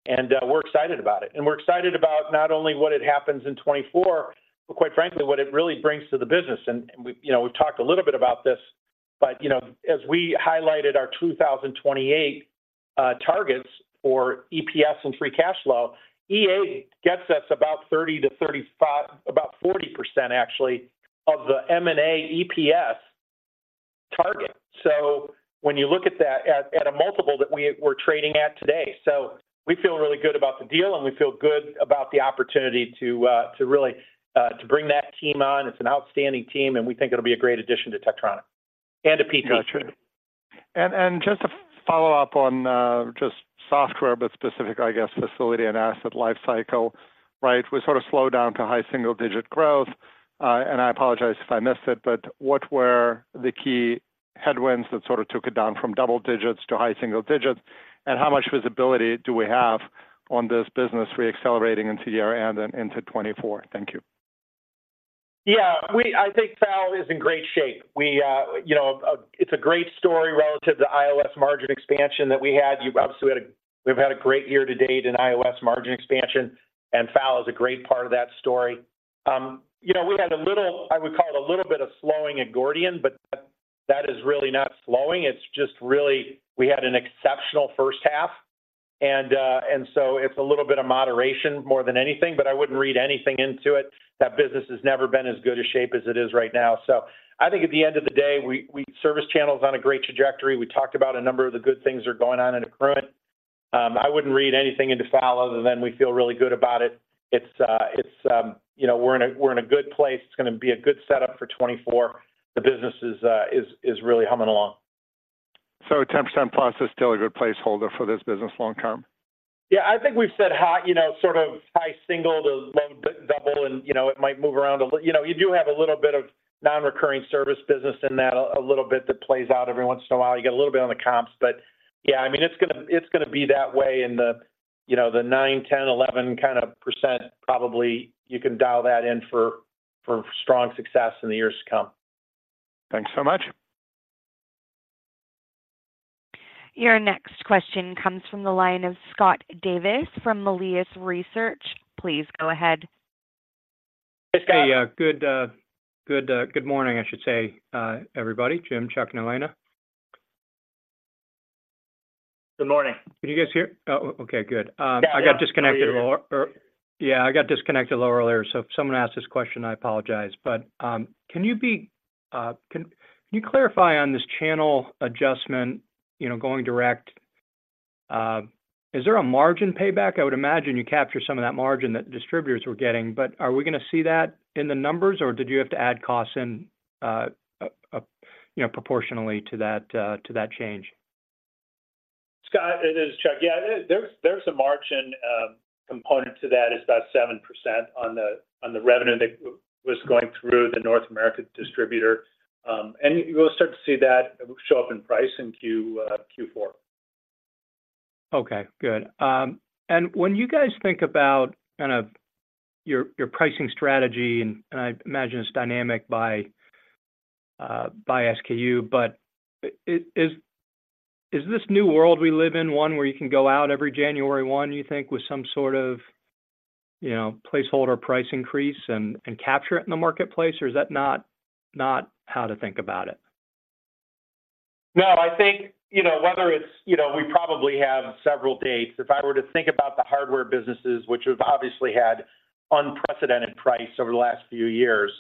and we're excited about it. And we're excited about not only what it happens in 2024, but quite frankly, what it really brings to the business. And, and we- you know, we've talked a little bit about this, but, you know, as we highlighted our 2028 targets for EPS and free cash flow, EA gets us about 30-35- about 40% actually, of the M&A EPS target. So when you look at that at, at a multiple that we- we're trading at today. So we feel really good about the deal, and we feel good about the opportunity to, to really, to bring that team on. It's an outstanding team, and we think it'll be a great addition to Tektronix and to Fortive. Got you. And just to follow up on just software, but specific, I guess, facility and asset life cycle, right? We sort of slowed down to high single-digit growth. And I apologize if I missed it, but what were the key headwinds that sort of took it down from double digits to high single digits? And how much visibility do we have on this business reaccelerating into year end and into 2024? Thank you. Yeah, I think FAL is in great shape. We, you know, it's a great story relative to iOS margin expansion that we had. We obviously we've had a great year to date in iOS margin expansion, and FAL is a great part of that story. You know, we had a little, I would call it a little bit of slowing at Gordian, but that is really not slowing. It's just really we had an exceptional first half, and, and so it's a little bit of moderation more than anything, but I wouldn't read anything into it. That business has never been as good a shape as it is right now. So I think at the end of the day, we Service Channel is on a great trajectory. We talked about a number of the good things are going on in Accruent. I wouldn't read anything into FAL other than we feel really good about it. It's, it's... You know, we're in a good place. It's gonna be a good setup for 2024. The business is really humming along. 10%+ is still a good placeholder for this business long-term? Yeah, I think we've said high, you know, sort of high single to low double, and, you know, it might move around a little. You know, you do have a little bit of non-recurring service business in that, a little bit that plays out every once in a while. You get a little bit on the comps, but yeah, I mean, it's gonna, it's gonna be that way in the, you know, the 9, 10, 11 kinda %, probably you can dial that in for strong success in the years to come. Thanks so much. Your next question comes from the line of Scott Davis from Melius Research. Please go ahead. Hey, good morning, I should say, everybody, Jim, Chuck, and Elena. Good morning. Can you guys hear? Oh, okay, good. Yeah. I got disconnected earlier—or yeah, I got disconnected a little earlier. So if someone asked this question, I apologize. But can you clarify on this channel adjustment, you know, going direct, is there a margin payback? I would imagine you capture some of that margin that distributors were getting, but are we gonna see that in the numbers, or did you have to add costs in, you know, proportionally to that, to that change? Scott, it is Chuck. Yeah, there's, there's a margin component to that. It's about 7% on the, on the revenue that was going through the North American distributor. And you will start to see that show up in price in Q4. Okay, good. And when you guys think about kind of your, your pricing strategy, and I imagine it's dynamic by, by SKU, but is, is this new world we live in, one where you can go out every January one, you think, with some sort of, you know, placeholder price increase and, and capture it in the marketplace, or is that not, not how to think about it? No, I think, you know, whether it's... You know, we probably have several dates. If I were to think about the hardware businesses, which have obviously had unprecedented price over the last few years,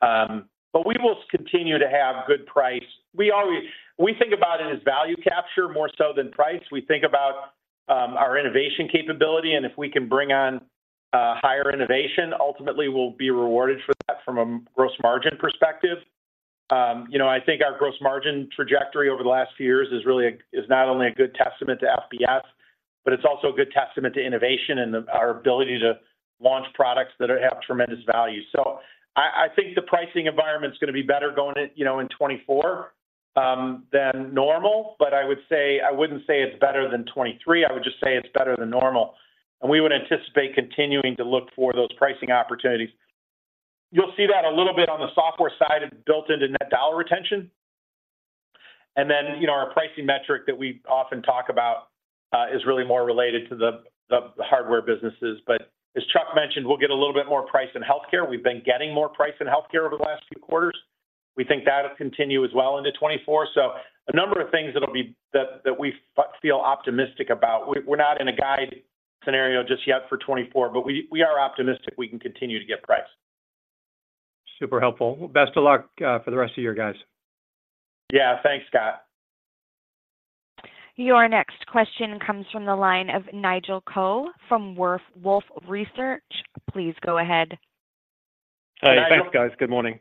but we will continue to have good price. We always think about it as value capture more so than price. We think about our innovation capability, and if we can bring on higher innovation, ultimately, we'll be rewarded for that from a gross margin perspective. You know, I think our gross margin trajectory over the last few years is really not only a good testament to FBS, but it's also a good testament to innovation and our ability to launch products that have tremendous value. So I think the pricing environment is gonna be better going to, you know, in 2024 than normal. But I would say I wouldn't say it's better than 2023, I would just say it's better than normal. And we would anticipate continuing to look for those pricing opportunities. You'll see that a little bit on the software side and built into net dollar retention. And then, you know, our pricing metric that we often talk about is really more related to the hardware businesses. But as Chuck mentioned, we'll get a little bit more price in healthcare. We've been getting more price in healthcare over the last few quarters. We think that will continue as well into 2024. So a number of things that'll be that we feel optimistic about. We're not in a guide scenario just yet for 2024, but we are optimistic we can continue to get price. Super helpful. Best of luck, for the rest of your guys. Yeah. Thanks, Scott. Your next question comes from the line of Nigel Coe from Wolfe Research. Please go ahead. Hi, thanks, guys. Good morning.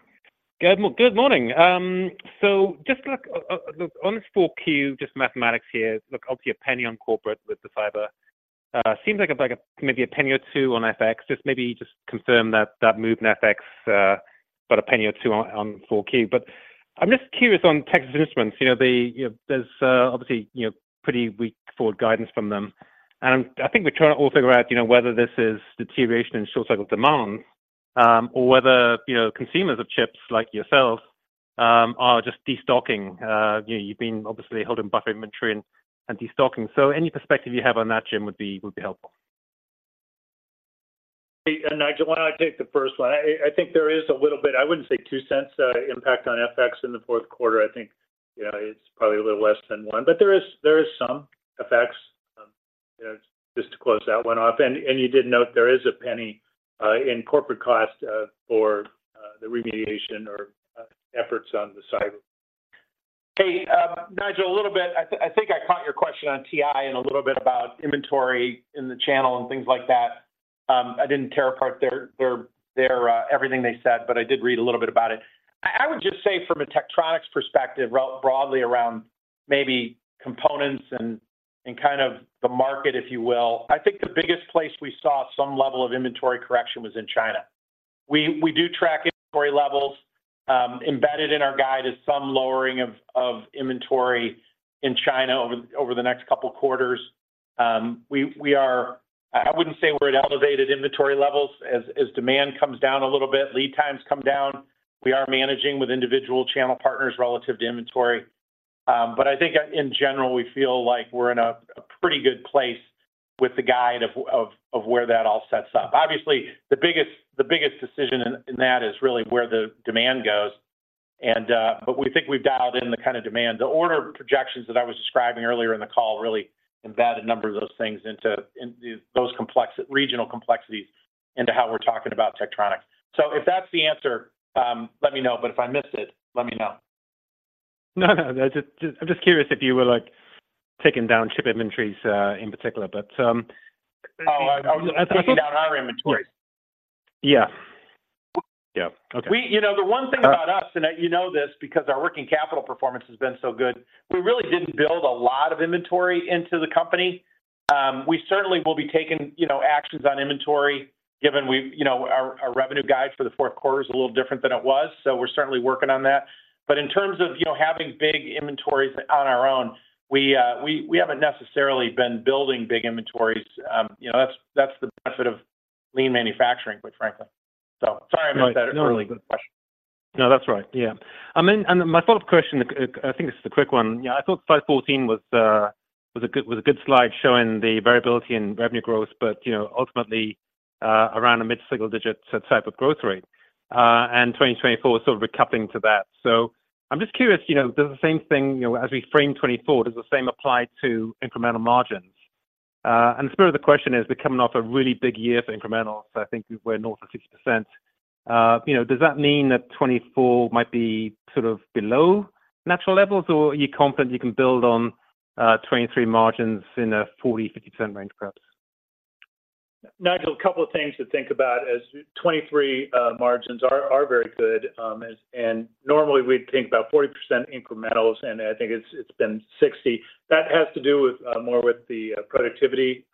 Good morning. So just look on this Q4, just mathematics here. Look, obviously, $0.01 on corporate with the Fortive. Seems like maybe a penny or two on FX. Just confirm that move in FX about a penny or two on 4Q. But I'm just curious on Texas Instruments. You know, you know, there's obviously you know pretty weak forward guidance from them. And I think we're trying to all figure out you know whether this is deterioration in short cycle demand or whether you know consumers of chips like yourself are just destocking. You know you've been obviously holding buffer inventory and destocking. So any perspective you have on that, Jim, would be helpful. Hey, Nigel, why don't I take the first one? I think there is a little bit, I wouldn't say $0.02 impact on FX in the fourth quarter. I think, you know, it's probably a little less than $0.01, but there is some effects. You know, just to close that one off, and you did note there is $0.01 in corporate cost for the remediation or efforts on the cyber. Hey, Nigel, a little bit. I think I caught your question on TI and a little bit about inventory in the channel and things like that. I didn't tear apart their everything they said, but I did read a little bit about it. I would just say from a Tektronix perspective, broadly around maybe components and kind of the market, if you will, I think the biggest place we saw some level of inventory correction was in China. We do track inventory levels. Embedded in our guide is some lowering of inventory in China over the next couple of quarters. We are. I wouldn't say we're at elevated inventory levels. As demand comes down a little bit, lead times come down. We are managing with individual channel partners relative to inventory. But I think in general, we feel like we're in a pretty good place with the guide of where that all sets up. Obviously, the biggest decision in that is really where the demand goes. And but we think we've dialed in the kind of demand. The order projections that I was describing earlier in the call really embedded a number of those things into those complex regional complexities into how we're talking about Tektronix. So if that's the answer, let me know, but if I missed it, let me know. No, no, I just, I'm just curious if you were, like, taking down chip inventories, in particular. But, Oh, I was taking down our inventories. Yeah. Yeah. Okay. You know, the one thing about us, and you know this because our working capital performance has been so good, we really didn't build a lot of inventory into the company. We certainly will be taking, you know, actions on inventory, given we've you know, our revenue guide for the fourth quarter is a little different than it was, so we're certainly working on that. But in terms of, you know, having big inventories on our own, we we haven't necessarily been building big inventories. You know, that's the benefit of lean manufacturing, quite frankly. So sorry, I missed that. It's a really good question. No, that's right. Yeah. I mean, and my follow-up question, I think this is a quick one. Yeah, I thought slide 14 was a good slide showing the variability in revenue growth, but, you know, ultimately, around a mid-single-digit type of growth rate, and 2024 sort of recapping to that. So I'm just curious, you know, does the same thing, you know, as we frame 2024, does the same apply to incremental margins? And the spirit of the question is, we're coming off a really big year for incremental, so I think we're north of 60%. You know, does that mean that 2024 might be sort of below natural levels, or are you confident you can build on 23 margins in a 40%-50% range, perhaps? Nigel, a couple of things to think about. As 2023 margins are very good, and normally, we'd think about 40% incrementals, and I think it's been 60%. That has to do more with the productivity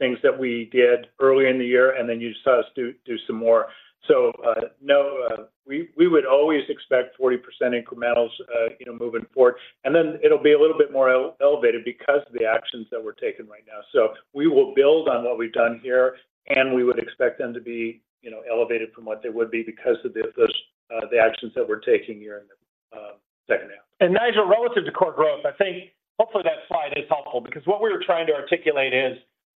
things that we did early in the year, and then you saw us do some more. So, no, we would always expect 40% incrementals, you know, moving forward, and then it'll be a little bit more elevated because of the actions that we're taking right now. So we will build on what we've done here, and we would expect them to be, you know, elevated from what they would be because of those actions that we're taking here in the second half. Nigel, relative to core growth, I think hopefully that slide is helpful because what we were trying to articulate is,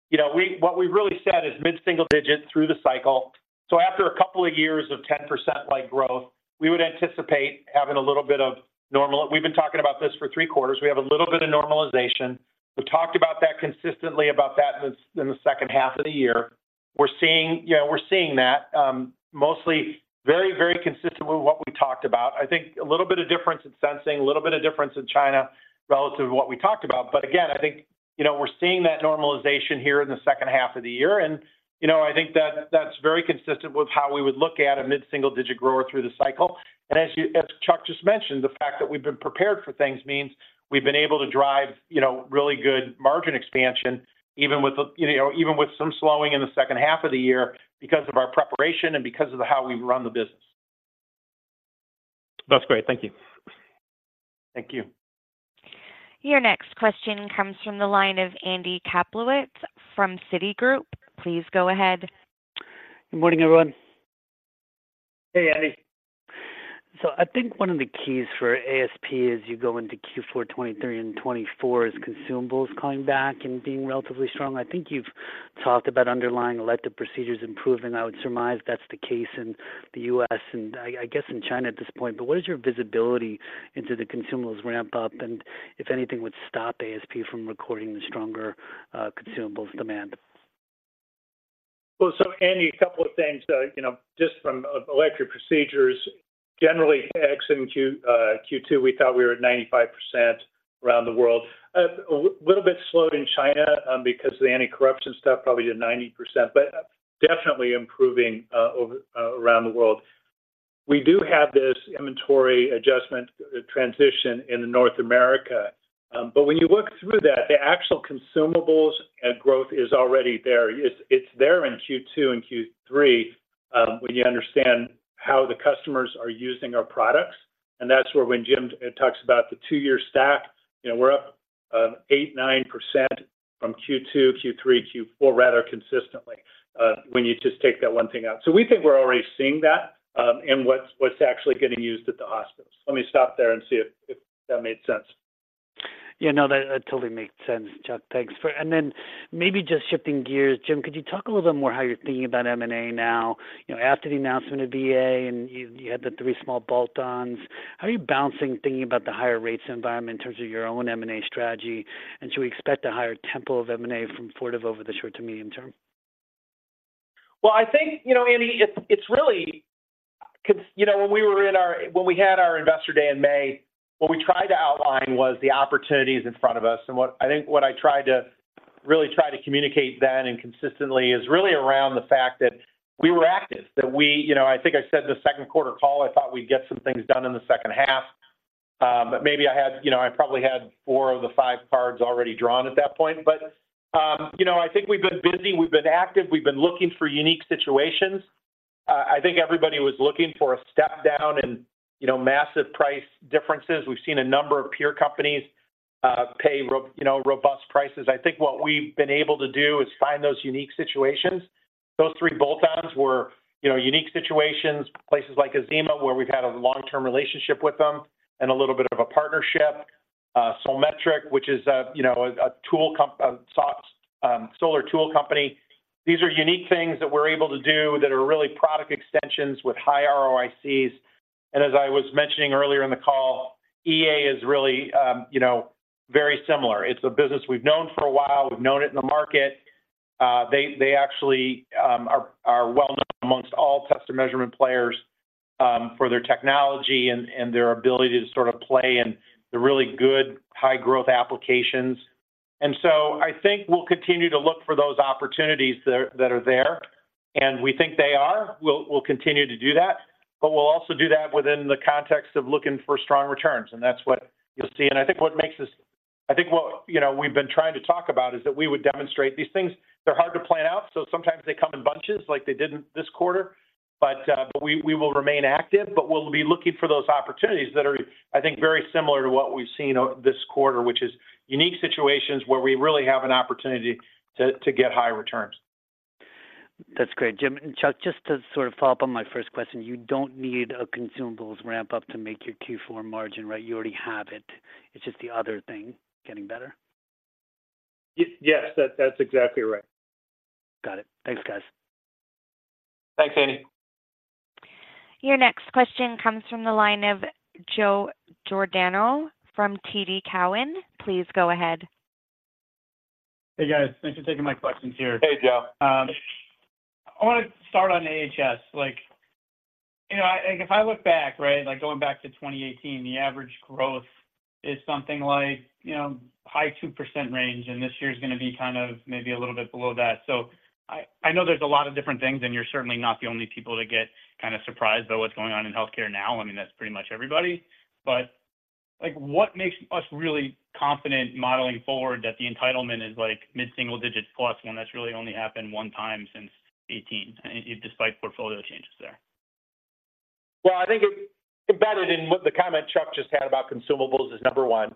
you know, we, what we really said is mid-single-digit through the cycle. So after a couple of years of 10% like growth, we would anticipate having a little bit of normalization. We've been talking about this for Q3. We have a little bit of normalization. We've talked about that consistently in the second half of the year. We're seeing, you know, we're seeing that, mostly very, very consistent with what we talked about. I think a little bit of difference in sensing, a little bit of difference in China relative to what we talked about. But again, I think, you know, we're seeing that normalization here in the second half of the year, and, you know, I think that that's very consistent with how we would look at a mid-single-digit grower through the cycle. And as Chuck just mentioned, the fact that we've been prepared for things means we've been able to drive, you know, really good margin expansion, even with the, you know, even with some slowing in the second half of the year because of our preparation and because of how we run the business. That's great. Thank you. Thank you. Your next question comes from the line of Andy Kaplowitz from Citigroup. Please go ahead. Good morning, everyone. Hey, Andy. So I think one of the keys for ASP as you go into Q4 2023 and 2024 is consumables coming back and being relatively strong. I think you've talked about underlying elective procedures improving. I would surmise that's the case in the U.S., and I, I guess in China at this point. But what is your visibility into the consumables ramp up, and if anything, would stop ASP from recording the stronger, consumables demand? Well, so Andy, a couple of things, you know, just from elective procedures, generally in Q2, we thought we were at 95% around the world. A little bit slowed in China, because of the anti-corruption stuff, probably to 90%, but definitely improving, over around the world. We do have this inventory adjustment transition in North America. But when you look through that, the actual consumables and growth is already there. It's there in Q2 and Q3, when you understand how the customers are using our products, and that's where when Jim talks about the two-year stack, you know, we're up eight-9% from Q2, Q3, Q4, rather consistently, when you just take that one thing out. So we think we're already seeing that, and what's actually getting used at the hospitals. Let me stop there and see if that made sense. Yeah, no, that totally makes sense, Chuck. Thanks. And then maybe just shifting gears, Jim, could you talk a little bit more how you're thinking about M&A now? You know, after the announcement of EA, and you had the three small bolt-ons. How are you balancing thinking about the higher rates environment in terms of your own M&A strategy? And should we expect a higher tempo of M&A from Fortive over the short to medium term? Well, I think, you know, Andy, it's really—'cause, you know, when we had our Investor Day in May, what we tried to outline was the opportunities in front of us. And what I think what I tried to really try to communicate then and consistently is really around the fact that we were active. That we... You know, I think I said the second quarter call, I thought we'd get some things done in the second half. But maybe I had—you know, I probably had four of the five cards already drawn at that point. But, you know, I think we've been busy, we've been active, we've been looking for unique situations. I think everybody was looking for a step down and, you know, massive price differences. We've seen a number of peer companies pay, you know, robust prices. I think what we've been able to do is find those unique situations. Those three bolt-ons were, you know, unique situations, places like Azima, where we've had a long-term relationship with them and a little bit of a partnership. Solmetric, which is a, you know, a solar tool company. These are unique things that we're able to do that are really product extensions with high ROICs. And as I was mentioning earlier in the call, EA is really, you know, very similar. It's a business we've known for a while. We've known it in the market. They actually are well known amongst all test and measurement players for their technology and their ability to sort of play in the really good, high growth applications. And so I think we'll continue to look for those opportunities that are there, and we think they are. We'll continue to do that, but we'll also do that within the context of looking for strong returns, and that's what you'll see. And I think what makes us I think what, you know, we've been trying to talk about is that we would demonstrate these things. They're hard to plan out, so sometimes they come in bunches like they did in this quarter. But we will remain active, but we'll be looking for those opportunities that are, I think, very similar to what we've seen over this quarter, which is unique situations where we really have an opportunity to get high returns. That's great, Jim. And, Chuck, just to sort of follow up on my first question, you don't need a consumables ramp up to make your Q4 margin, right? You already have it. It's just the other thing getting better. Yes, that's exactly right. Got it. Thanks, guys. Thanks, Andy. Your next question comes from the line of Joe Giordano from TD Cowen. Please go ahead. Hey, guys. Thanks for taking my questions here. Hey, Joe. I want to start on AHS. Like, you know, if I look back, right, like going back to 2018, the average growth is something like, you know, high 2% range, and this year is gonna be kind of maybe a little bit below that. So I, I know there's a lot of different things, and you're certainly not the only people to get kind of surprised by what's going on in healthcare now. I mean, that's pretty much everybody. But, like, what makes us really confident modeling forward, that the entitlement is, like, mid single digits plus, when that's really only happened one time since 2018, despite portfolio changes there? Well, I think it embedded in what the comment Chuck just had about consumables is number one.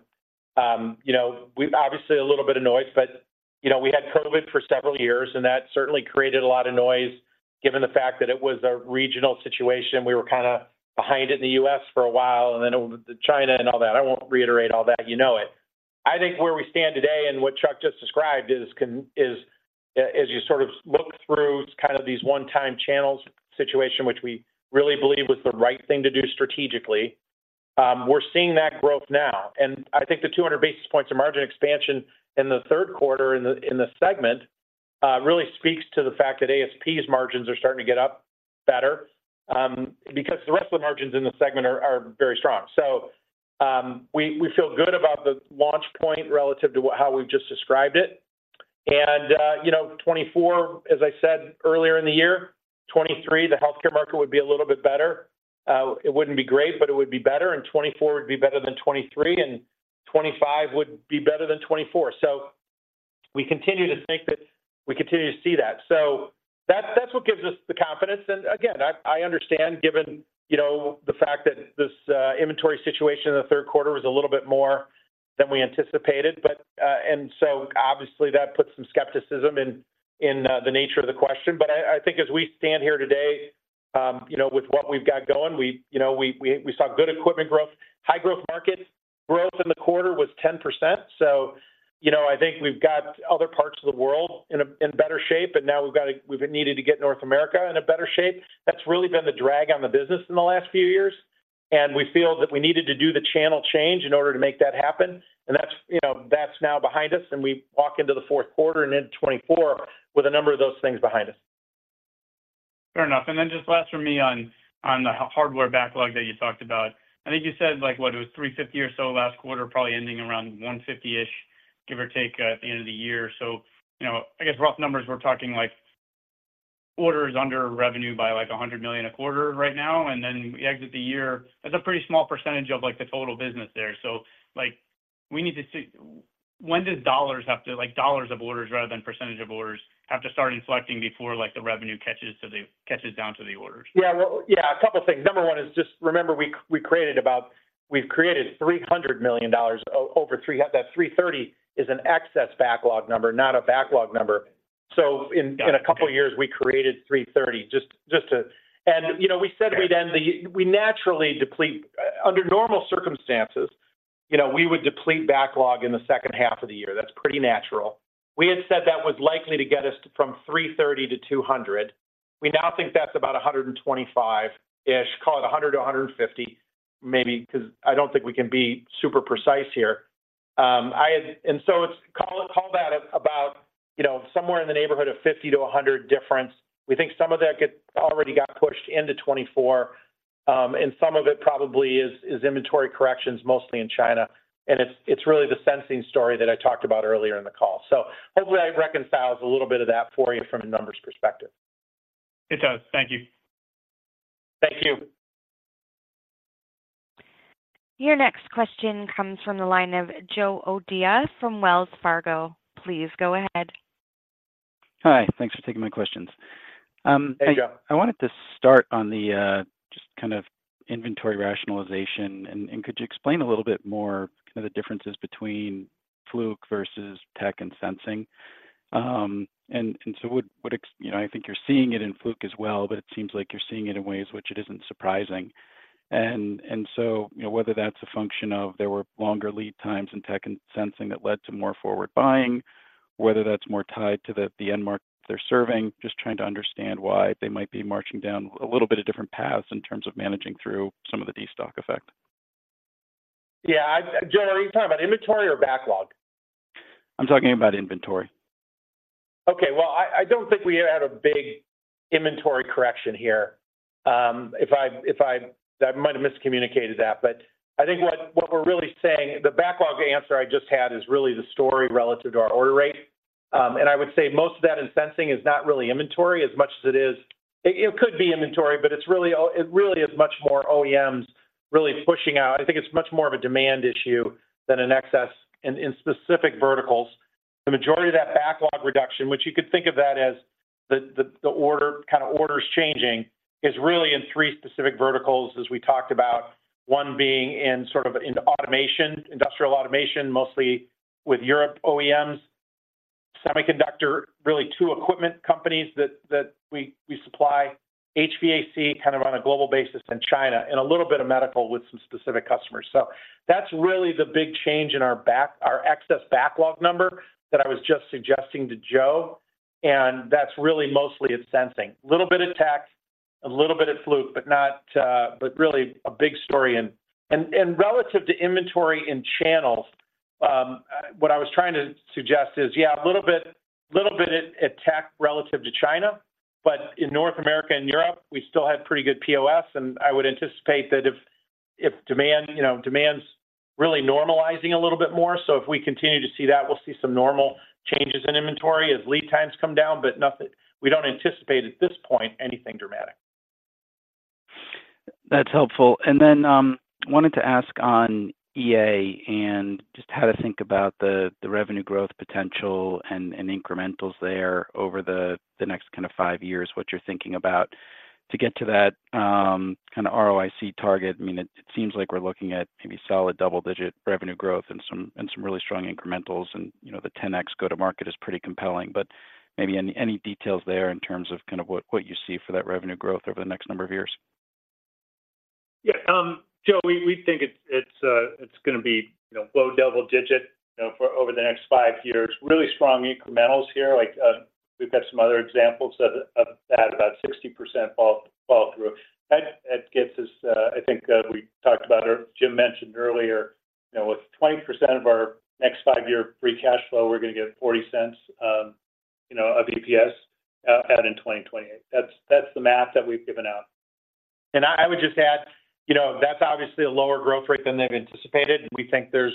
You know, we've obviously a little bit of noise, but, you know, we had COVID for several years, and that certainly created a lot of noise, given the fact that it was a regional situation. We were kind of behind it in the U.S. for a while, and then China and all that. I won't reiterate all that. You know it. I think where we stand today and what Chuck just described is, as you sort of look through kind of these one-time channels situation, which we really believe was the right thing to do strategically, we're seeing that growth now. I think the 200 basis points of margin expansion in the third quarter in the segment really speaks to the fact that ASP's margins are starting to get up better, because the rest of the margins in the segment are very strong. So, we feel good about the launch point relative to what, how we've just described it. And, you know, 2024, as I said earlier in the year, 2023, the healthcare market would be a little bit better. It wouldn't be great, but it would be better, and 2024 would be better than 2023, and 2025 would be better than 2024. So we continue to think that we continue to see that. So that's what gives us the confidence. And again, I understand, given, you know, the fact that this, inventory situation in the third quarter was a little bit more than we anticipated, but... So obviously, that puts some skepticism in, in, the nature of the question. But I think as we stand here today, you know, with what we've got going, we, you know, we saw good equipment growth. High growth markets, growth in the quarter was 10%. So, you know, I think we've got other parts of the world in a- in better shape, and now we've got to-- we've needed to get North America in a better shape. That's really been the drag on the business in the last few years, and we feel that we needed to do the channel change in order to make that happen, and that's, you know, that's now behind us, and we walk into the fourth quarter and into 2024 with a number of those things behind us. Fair enough. And then just last for me on, on the hardware backlog that you talked about. I think you said like, what it was 350 or so last quarter, probably ending around 150-ish.... give or take at the end of the year. So, you know, I guess rough numbers, we're talking like orders under revenue by, like, $100 million a quarter right now, and then we exit the year. That's a pretty small percentage of, like, the total business there. So, like, we need to see when does dollars have to- like, dollars of orders rather than percentage of orders, have to start inflecting before, like, the revenue catches to the- catches down to the orders? Yeah. Well, yeah, a couple of things. Number one is just remember, we've created $300 million over three—that 330 is an excess backlog number, not a backlog number. So in- Got it... in a couple of years, we created 330 just to and, you know, we said we'd end the we naturally deplete under normal circumstances, you know, we would deplete backlog in the second half of the year. That's pretty natural. We had said that was likely to get us from $330 to $200. We now think that's about $125-ish, call it $100-$150, maybe, 'cause I don't think we can be super precise here. I- and so it's call that at about, you know, somewhere in the neighborhood of 50 to 100 difference. We think some of that already got pushed into 2024, and some of it probably is inventory corrections, mostly in China. And it's, it's really the sensing story that I talked about earlier in the call. So hopefully, I reconciled a little bit of that for you from a numbers perspective. It does. Thank you. Thank you. Your next question comes from the line of Joe O'Dea from Wells Fargo. Please go ahead. Hi, thanks for taking my questions. Hey, Joe. I wanted to start on the just kind of inventory rationalization, and could you explain a little bit more kind of the differences between Fluke versus tech and sensing? And so, you know, I think you're seeing it in Fluke as well, but it seems like you're seeing it in ways which it isn't surprising. And so, you know, whether that's a function of there were longer lead times in tech and sensing that led to more forward buying, whether that's more tied to the end market they're serving, just trying to understand why they might be marching down a little bit of different paths in terms of managing through some of the destock effect. Yeah, Joe, are you talking about inventory or backlog? I'm talking about inventory. Okay. Well, I don't think we had a big inventory correction here. If I might have miscommunicated that, but I think what we're really saying, the backlog answer I just had is really the story relative to our order rate. And I would say most of that in sensing is not really inventory as much as it is it could be inventory, but it's really it really is much more OEMs really pushing out. I think it's much more of a demand issue than an excess in specific verticals. The majority of that backlog reduction, which you could think of that as the order, kind of, order is changing, is really in three specific verticals, as we talked about. One being in sort of in automation, industrial automation, mostly with European OEMs, semiconductor, really two equipment companies that we supply, HVAC, kind of on a global basis in China, and a little bit of medical with some specific customers. So that's really the big change in our backlog, our excess backlog number that I was just suggesting to Joe, and that's really mostly in sensing. A little bit of tech, a little bit of Fluke, but not, but really a big story. And relative to inventory in channels, what I was trying to suggest is, yeah, a little bit at tech relative to China, but in North America and Europe, we still have pretty good POS, and I would anticipate that if demand, you know, demand's really normalizing a little bit more. So if we continue to see that, we'll see some normal changes in inventory as lead times come down, but nothing. We don't anticipate, at this point, anything dramatic. That's helpful. And then wanted to ask on EA and just how to think about the revenue growth potential and incrementals there over the next kind of five years, what you're thinking about. To get to that kind of ROIC target, I mean, it seems like we're looking at maybe solid double-digit revenue growth and some really strong incrementals, and you know, the 10x go-to-market is pretty compelling. But maybe any details there in terms of kind of what you see for that revenue growth over the next number of years? Yeah, Joe, we think it's gonna be, you know, low double-digit, you know, for over the next 5 years. Really strong incrementals here, like, we've got some other examples of that, about 60% flow-through. That gets us, I think, we talked about or Jim mentioned earlier, you know, with 20% of our next 5-year free cash flow, we're gonna get $0.40, you know, of EPS, out in 2028. That's the math that we've given out. I would just add, you know, that's obviously a lower growth rate than they've anticipated. We think there's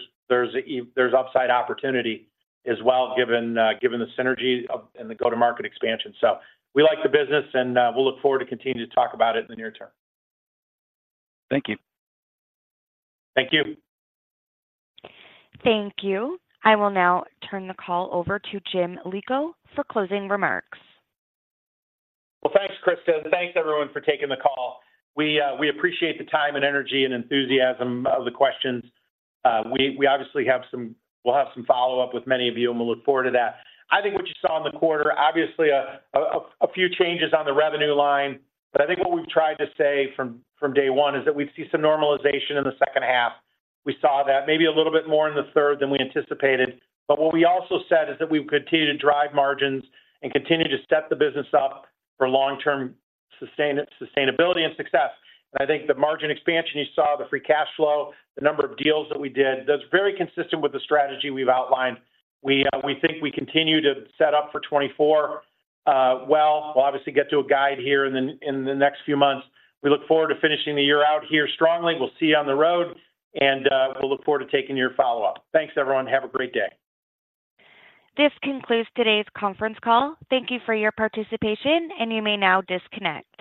upside opportunity as well, given the synergy in the go-to-market expansion. So we like the business, and we'll look forward to continuing to talk about it in the near term. Thank you. Thank you. Thank you. I will now turn the call over to Jim Lico for closing remarks. Well, thanks, Krista. Thanks, everyone, for taking the call. We, we appreciate the time and energy and enthusiasm of the questions. We, we obviously have some- we'll have some follow-up with many of you, and we'll look forward to that. I think what you saw in the quarter, obviously a few changes on the revenue line, but I think what we've tried to say from day one is that we'd see some normalization in the second half. We saw that maybe a little bit more in the third than we anticipated. But what we also said is that we've continued to drive margins and continued to set the business up for long-term sustainability and success. And I think the margin expansion you saw, the free cash flow, the number of deals that we did, that's very consistent with the strategy we've outlined. We think we continue to set up for 2024, well. We'll obviously get to a guide here in the next few months. We look forward to finishing the year out here strongly. We'll see you on the road, and we'll look forward to taking your follow-up. Thanks, everyone. Have a great day. This concludes today's conference call. Thank you for your participation, and you may now disconnect.